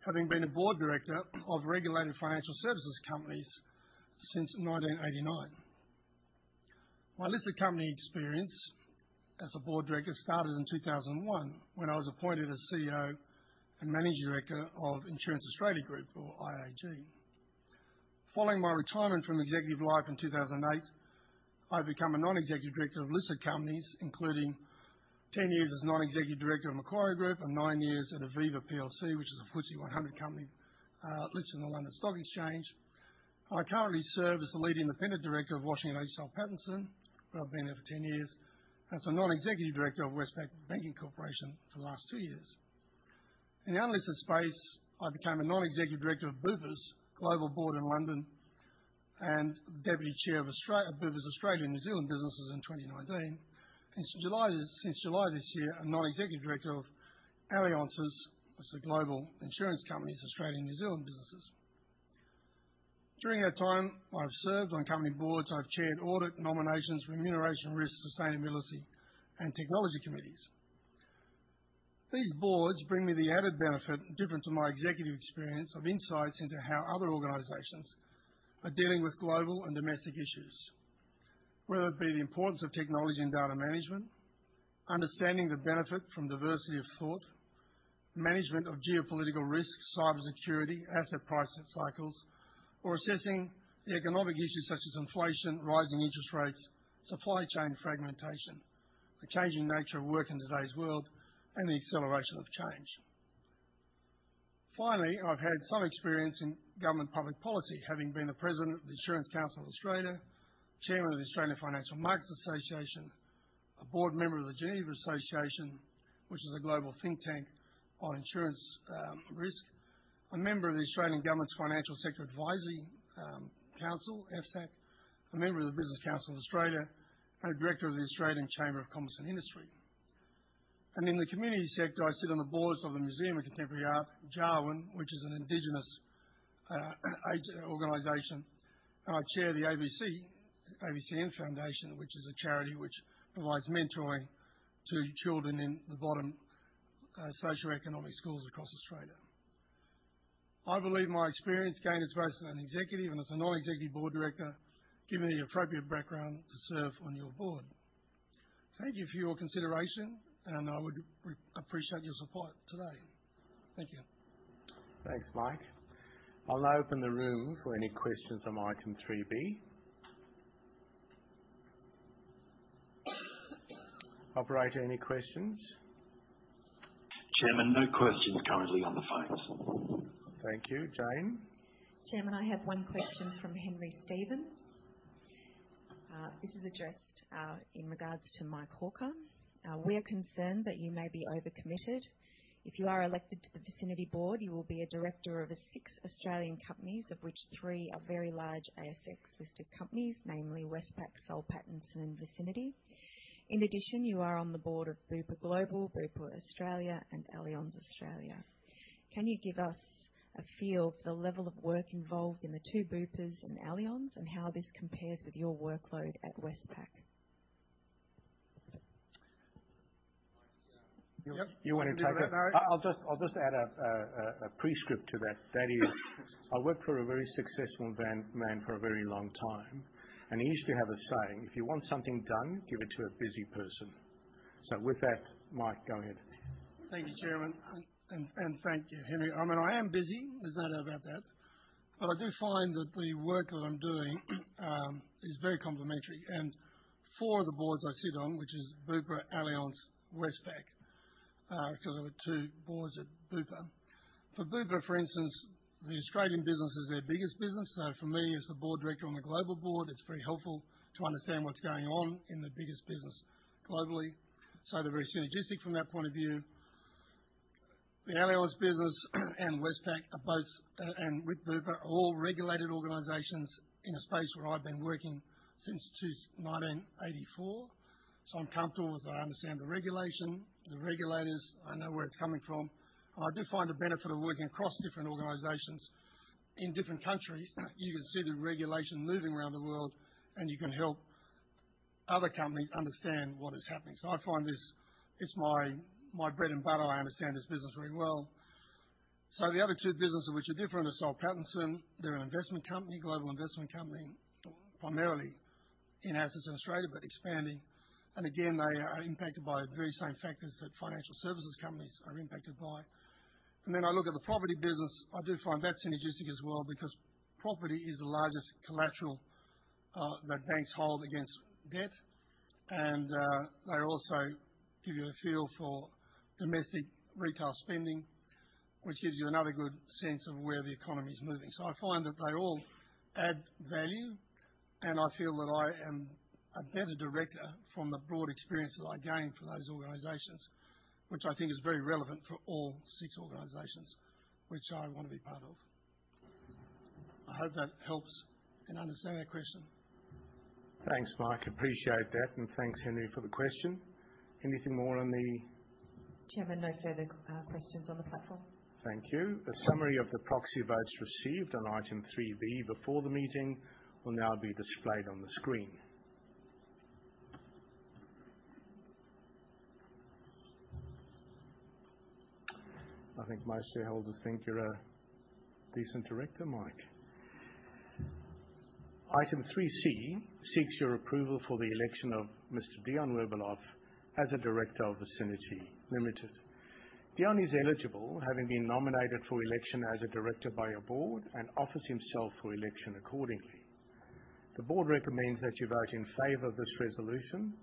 having been a board director of regulated financial services companies since 1989. My listed company experience as a board director started in 2001 when I was appointed as CEO and Managing Director of Insurance Australia Group or IAG. Following my retirement from executive life in 2008, I've become a Non-Executive Director of listed companies, including 10 years as a Non-Executive Director of Macquarie Group and nine years at Aviva plc, which is a FTSE 100 company, listed in the London Stock Exchange. I currently serve as the lead independent director of Washington H. Soul Pattinson, where I've been there for 10 years, as a Non-Executive Director of Westpac Banking Corporation for the last two years. In the unlisted space, I became a Non-Executive Director of Bupa's global board in London and deputy chair of Bupa's Australia-New Zealand businesses in 2019. Since July this year, a Non-Executive Director of Allianz's, that's a global insurance company's Australia-New Zealand businesses. During that time, I've served on company boards. I've chaired audit nominations, remuneration, risk, sustainability, and technology committees. These boards bring me the added benefit different to my executive experience of insights into how other organizations are dealing with global and domestic issues, whether it be the importance of technology and data management, understanding the benefit from diversity of thought, management of geopolitical risk, cybersecurity, asset pricing cycles, or assessing the economic issues such as inflation, rising interest rates, supply chain fragmentation, the changing nature of work in today's world, and the acceleration of change. Finally, I've had some experience in government public policy, having been the president of the Insurance Council of Australia, chairman of the Australian Financial Markets Association, a board member of the Geneva Association, which is a global think tank on insurance, risk, a member of the Australian Government's Financial Sector Advisory Council, FSAC, a member of the Business Council of Australia, and a director of the Australian Chamber of Commerce and Industry. In the community sector, I sit on the boards of the Museum of Contemporary Art, Jawun, which is an indigenous organization. I chair the ABCN Foundation, which is a charity which provides mentoring to children in the bottom socioeconomic schools across Australia. I believe my experience gained as both an executive and as a non-executive board director give me the appropriate background to serve on your board. Thank you for your consideration, and I would appreciate your support today. Thank you. Thanks, Mike. I'll open the room for any questions on Item 3B. Operator, any questions? Chairman, no questions currently on the phones. Thank you. Jane? Chairman, I have one question from Henry Stevens. This is addressed in regards to Michael Hawker. We are concerned that you may be overcommitted. If you are elected to the Vicinity board, you will be a director of the six Australian companies, of which three are very large ASX-listed companies, namely Westpac, Washington H. Soul Pattinson, and Vicinity. In addition, you are on the board of Bupa Global, Bupa Australia, and Allianz Australia. Can you give us a feel for the level of work involved in the two Bupas and Allianz and how this compares with your workload at Westpac? You want to take it? I'll just add a preface to that. That is, I worked for a very successful man for a very long time, and he used to have a saying, "If you want something done, give it to a busy person." With that, Mike, go ahead. Thank you, Chairman, and thank you, Henry. I mean, I am busy. There's no doubt about that. I do find that the work that I'm doing is very complementary. Four of the boards I sit on, which is Bupa, Allianz, Westpac, 'cause there were two boards at Bupa. For Bupa, for instance, the Australian business is their biggest business. For me, as the board director on the global board, it's very helpful to understand what's going on in their biggest business globally. They're very synergistic from that point of view. The Allianz business and Westpac are both, and with Bupa, are all regulated organizations in a space where I've been working since 1984. I'm comfortable that I understand the regulation, the regulators. I know where it's coming from. I do find a benefit of working across different organizations in different countries. You can see the regulation moving around the world, and you can help other companies understand what is happening. I find this, it's my bread and butter. I understand this business very well. The other two businesses which are different are Soul Pattinson. They're an investment company, global investment company, primarily in assets in Australia, but expanding. Again, they are impacted by the very same factors that financial services companies are impacted by. Then I look at the property business. I do find that synergistic as well because property is the largest collateral that banks hold against debt. They also give you a feel for domestic retail spending, which gives you another good sense of where the economy is moving. I find that they all add value, and I feel that I am a better director from the broad experience that I gain from those organizations, which I think is very relevant for all six organizations which I wanna be part of. I hope that helps. I understand your question. Thanks, Michael. Appreciate that. Thanks, Henry, for the question. Anything more on the Chairman, no further questions on the platform. Thank you. A summary of the proxy votes received on Item 3B before the meeting will now be displayed on the screen. I think most shareholders think you're a decent director, Mike. Item 3C seeks your approval for the election of Mr. Dion Werbeloff as a director of Vicinity Limited. Dion is eligible, having been nominated for election as a director by your board and offers himself for election accordingly. The board recommends that you vote in favor of this resolution.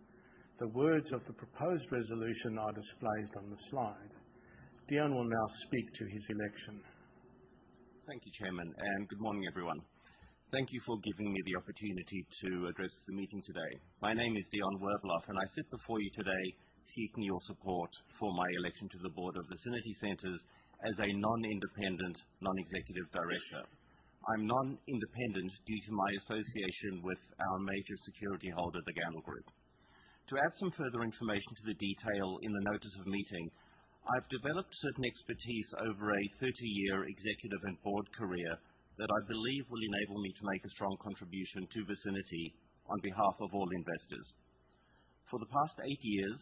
The words of the proposed resolution are displayed on the slide. Dion will now speak to his election. Thank you, Chairman, and good morning, everyone. Thank you for giving me the opportunity to address the meeting today. My name is Dion Werbeloff, and I sit before you today seeking your support for my election to the board of Vicinity Centres as a non-independent Non-Executive Director. I'm non-independent due to my association with our major security holder, the Gandel Group. To add some further information to the detail in the notice of meeting, I've developed certain expertise over a 30-year executive and board career that I believe will enable me to make a strong contribution to Vicinity on behalf of all investors. For the past eight years,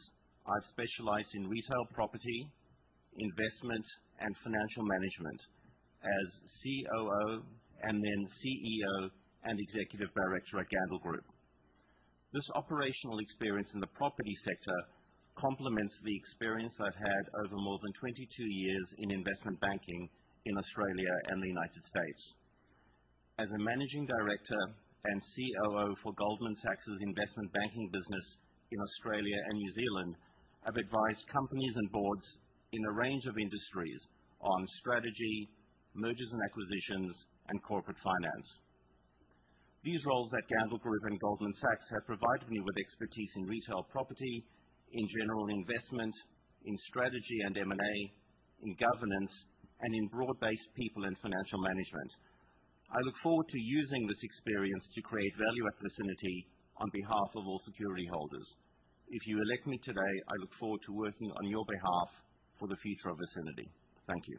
I've specialized in retail property, investment, and financial management as COO and then CEO and executive director at Gandel Group. This operational experience in the property sector complements the experience I've had over more than 22 years in investment banking in Australia and the United States. As a managing director and COO for Goldman Sachs investment banking business in Australia and New Zealand, I've advised companies and boards in a range of industries on strategy, mergers and acquisitions, and corporate finance. These roles at Gandel Group and Goldman Sachs have provided me with expertise in retail property, in general investment, in strategy and M&A, in governance, and in broad-based people and financial management. I look forward to using this experience to create value at Vicinity on behalf of all security holders. If you elect me today, I look forward to working on your behalf for the future of Vicinity. Thank you.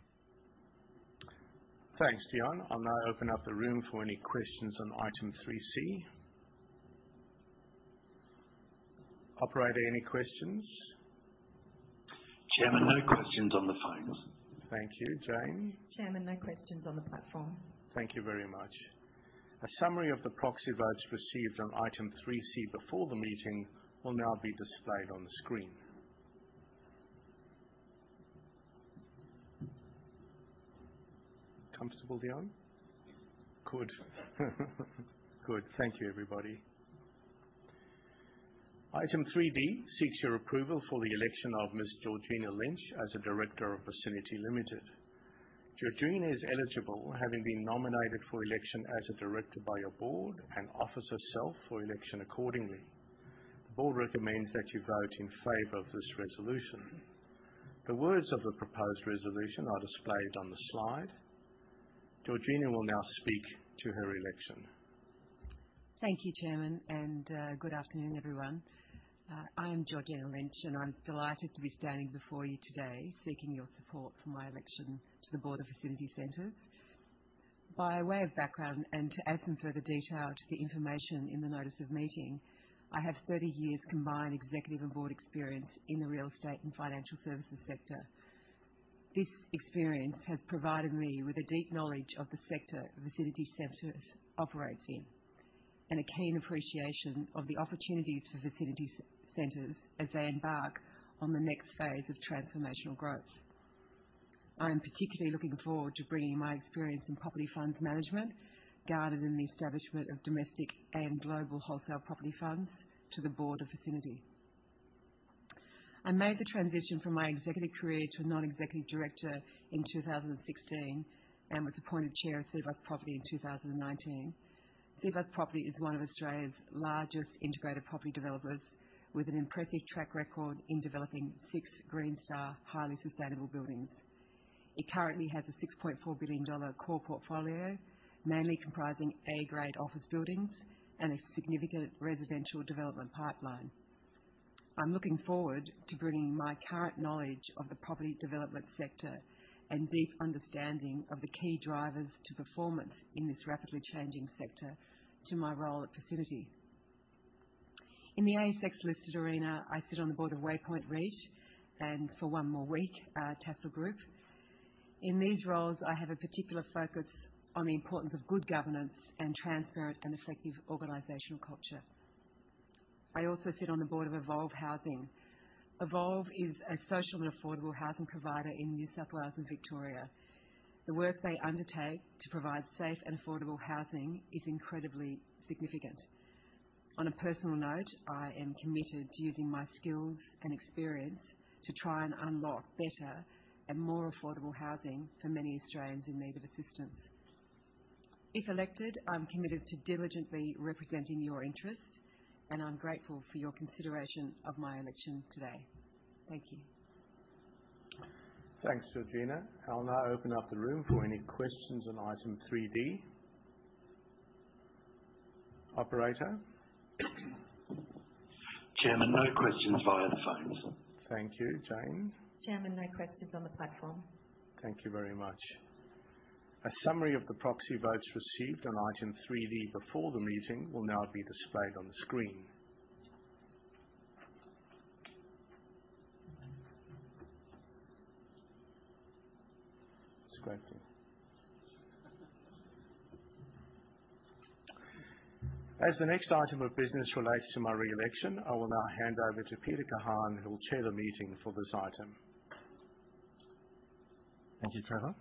Thanks, Dion. I'll now open up the room for any questions on Item 3C. Operator, any questions? Chairman, no questions on the phone. Thank you. Jane? Chairman, no questions on the platform. Thank you very much. A summary of the proxy votes received on Item 3C before the meeting will now be displayed on the screen. Comfortable, Dion? Yes. Good. Good. Thank you, everybody. Item 3D seeks your approval for the election of Ms. Georgina Lynch as a director of Vicinity Limited. Georgina is eligible, having been nominated for election as a director by your board and offers herself for election accordingly. The board recommends that you vote in favor of this resolution. The words of the proposed resolution are displayed on the slide. Georgina will now speak to her election. Thank you, Chairman, and good afternoon, everyone. I am Georgina Lynch, and I'm delighted to be standing before you today seeking your support for my election to the board of Vicinity Centres. By way of background and to add some further detail to the information in the notice of meeting, I have thirty years combined executive and board experience in the real estate and financial services sector. This experience has provided me with a deep knowledge of the sector Vicinity Centres operates in, and a keen appreciation of the opportunities for Vicinity Centres as they embark on the next phase of transformational growth. I am particularly looking forward to bringing my experience in property fund management, gained in the establishment of domestic and global wholesale property funds to the board of Vicinity. I made the transition from my executive career to a Non-Executive Director in 2016 and was appointed chair of Cbus Property in 2019. Cbus Property is one of Australia's largest integrated property developers with an impressive track record in developing six Green Star, highly sustainable buildings. It currently has a 6.4 billion dollar core portfolio, mainly comprising A-grade office buildings and a significant residential development pipeline. I'm looking forward to bringing my current knowledge of the property development sector and deep understanding of the key drivers to performance in this rapidly changing sector to my role at Vicinity. In the ASX-listed arena, I sit on the board of Waypoint REIT and for one more week, Tassal Group. In these roles, I have a particular focus on the importance of good governance and transparent and effective organizational culture. I also sit on the board of Evolve Housing. Evolve is a social and affordable housing provider in New South Wales and Victoria. The work they undertake to provide safe and affordable housing is incredibly significant. On a personal note, I am committed to using my skills and experience to try and unlock better and more affordable housing for many Australians in need of assistance. If elected, I'm committed to diligently representing your interests, and I'm grateful for your consideration of my election today. Thank you. Thanks, Georgina. I'll now open up the room for any questions on Item 3D. Operator? Chairman, no questions via the phone, sir. Thank you. Jane? Chairman, no questions on the platform. Thank you very much. A summary of the proxy votes received on Item 3D before the meeting will now be displayed on the screen. As the next item of business relates to my re-election, I will now hand over to Peter Kahan, who will chair the meeting for this item. Thank you, Trevor.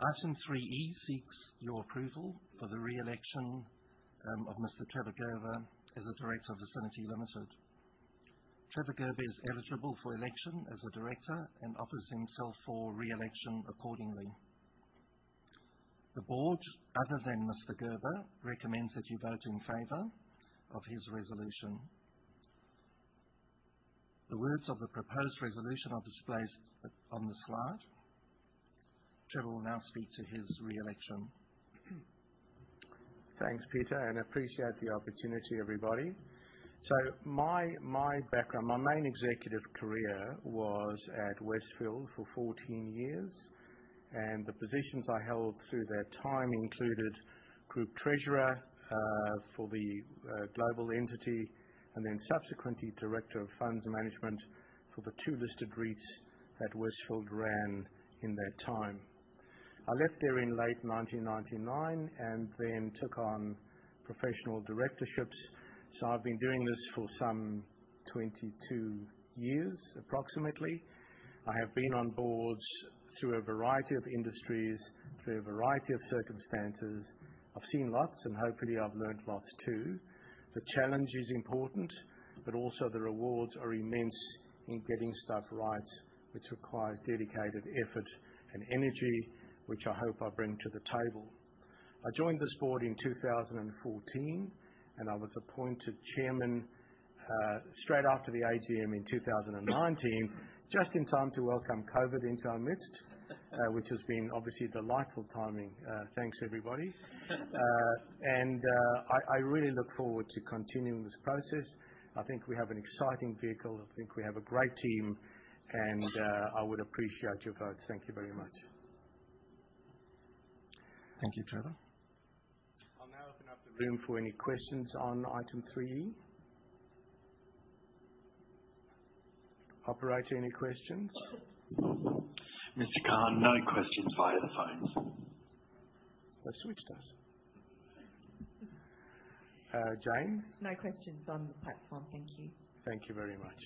Item 3E seeks your approval for the re-election of Mr. Trevor Gerber as a director of Vicinity Limited. Trevor Gerber is eligible for election as a director and offers himself for re-election accordingly. The board, other than Mr. Gerber, recommends that you vote in favor of his resolution. The words of the proposed resolution are displayed on the slide. Trevor will now speak to his re-election. Thanks, Peter, and I appreciate the opportunity, everybody. My background, my main executive career was at Westfield for 14 years, and the positions I held through that time included group treasurer for the global entity, and then subsequently director of funds management for the two listed REITs that Westfield ran in that time. I left there in late 1999 and then took on professional directorships. I've been doing this for some 22 years, approximately. I have been on boards through a variety of industries, through a variety of circumstances. I've seen lots, and hopefully, I've learned lots, too. The challenge is important, but also the rewards are immense in getting stuff right, which requires dedicated effort and energy, which I hope I bring to the table. I joined this board in 2014, and I was appointed chairman straight after the AGM in 2019, just in time to welcome COVID into our midst, which has been obviously delightful timing. Thanks, everybody. I really look forward to continuing this process. I think we have an exciting vehicle. I think we have a great team. I would appreciate your vote. Thank you very much. Thank you, Trevor. I'll now open up the room for any questions on Item 3E. Operator, any questions? Mr. Kahan, no questions via the phones. They switched us. Jane? No questions on the platform. Thank you. Thank you very much.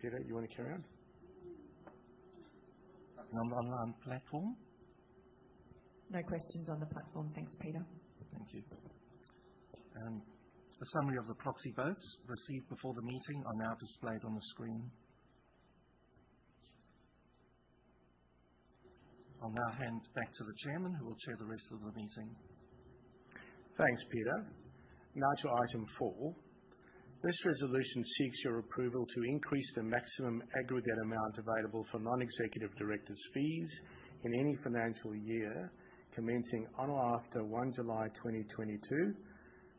Peter, you wanna carry on? On the online platform? No questions on the platform. Thanks, Peter. Thank you. A summary of the proxy votes received before the meeting are now displayed on the screen. I'll now hand back to the chairman, who will chair the rest of the meeting. Thanks, Peter. Now to Item 4. This resolution seeks your approval to increase the maximum aggregate amount available for Non-Executive Directors' fees in any financial year commencing on or after 1 July 2022.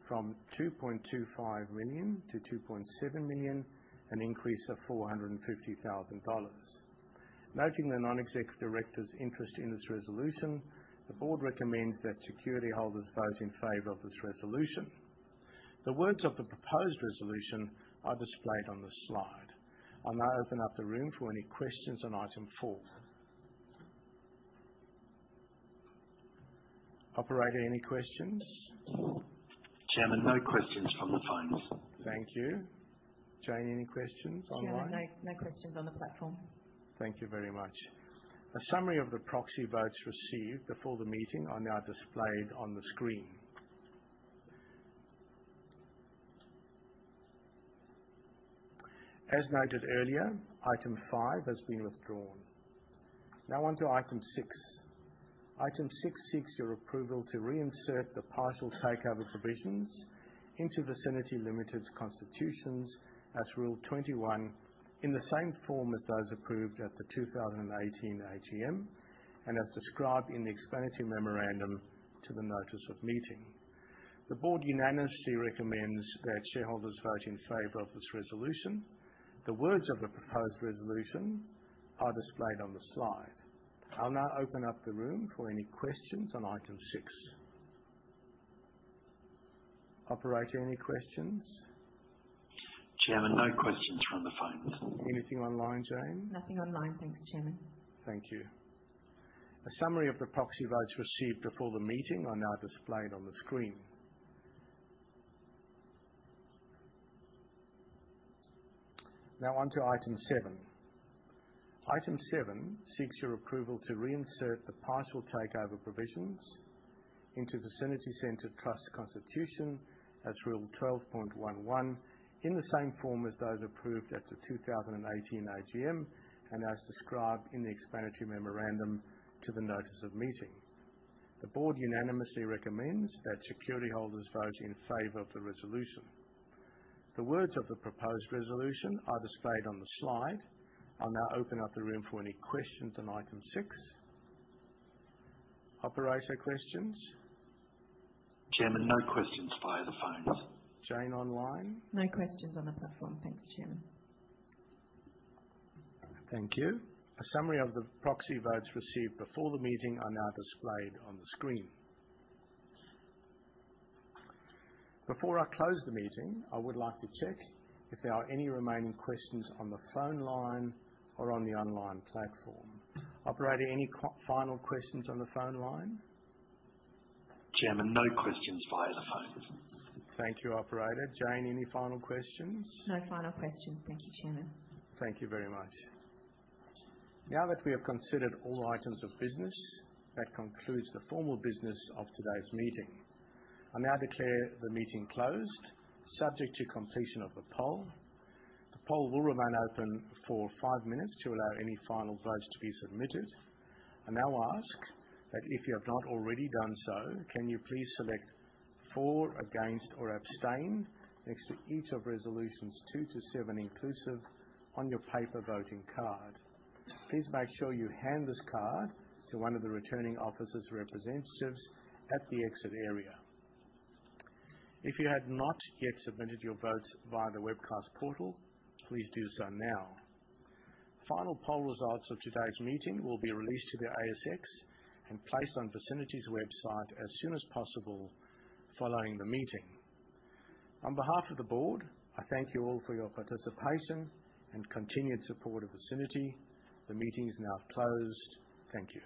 From 2.25 million to 2.7 million, an increase of 450,000 dollars. Noting the Non-Executive Director's interest in this resolution, the board recommends that security holders vote in favor of this resolution. The words of the proposed resolution are displayed on the slide. I'll now open up the room for any questions on Item 4. Operator, any questions? Chairman, no questions from the phones. Thank you. Jane, any questions online? Jane. No, no questions on the platform. Thank you very much. A summary of the proxy votes received before the meeting are now displayed on the screen. As noted earlier, Item 5 has been withdrawn. Now on to Item 6. Item 6 seeks your approval to reinsert the partial takeover provisions into Vicinity Limited's constitutions as Rule 21, in the same form as those approved at the 2018 AGM and as described in the explanatory memorandum to the notice of meeting. The board unanimously recommends that shareholders vote in favor of this resolution. The words of the proposed resolution are displayed on the slide. I'll now open up the room for any questions on Item 6. Operator, any questions? Chairman, no questions from the phones. Anything online, Jane? Nothing online. Thanks, Chairman. Thank you. A summary of the proxy votes received before the meeting are now displayed on the screen. Now on to Item 7. Item 7 seeks your approval to reinstate the partial takeover provisions into Vicinity Centres Trust's constitution as Rule 12.11, in the same form as those approved at the 2018 AGM and as described in the explanatory memorandum to the notice of meeting. The board unanimously recommends that security holders vote in favor of the resolution. The words of the proposed resolution are displayed on the slide. I'll now open up the room for any questions on Item 6. Operator, questions? Chairman, no questions via the phones. Jane, online? No questions on the platform. Thanks, Chairman. Thank you. A summary of the proxy votes received before the meeting are now displayed on the screen. Before I close the meeting, I would like to check if there are any remaining questions on the phone line or on the online platform. Operator, any final questions on the phone line? Chairman, no questions via the phones. Thank you, operator. Jane, any final questions? No final questions. Thank you, Chairman. Thank you very much. Now that we have considered all items of business, that concludes the formal business of today's meeting. I now declare the meeting closed, subject to completion of the poll. The poll will remain open for five minutes to allow any final votes to be submitted. I now ask that if you have not already done so, can you please select for, against, or abstain next to each of Resolutions 2 to 7 inclusive on your paper voting card. Please make sure you hand this card to one of the returning officer's representatives at the exit area. If you have not yet submitted your votes via the webcast portal, please do so now. Final poll results of today's meeting will be released to the ASX and placed on Vicinity's website as soon as possible following the meeting. On behalf of the board, I thank you all for your participation and continued support of Vicinity. The meeting is now closed. Thank you.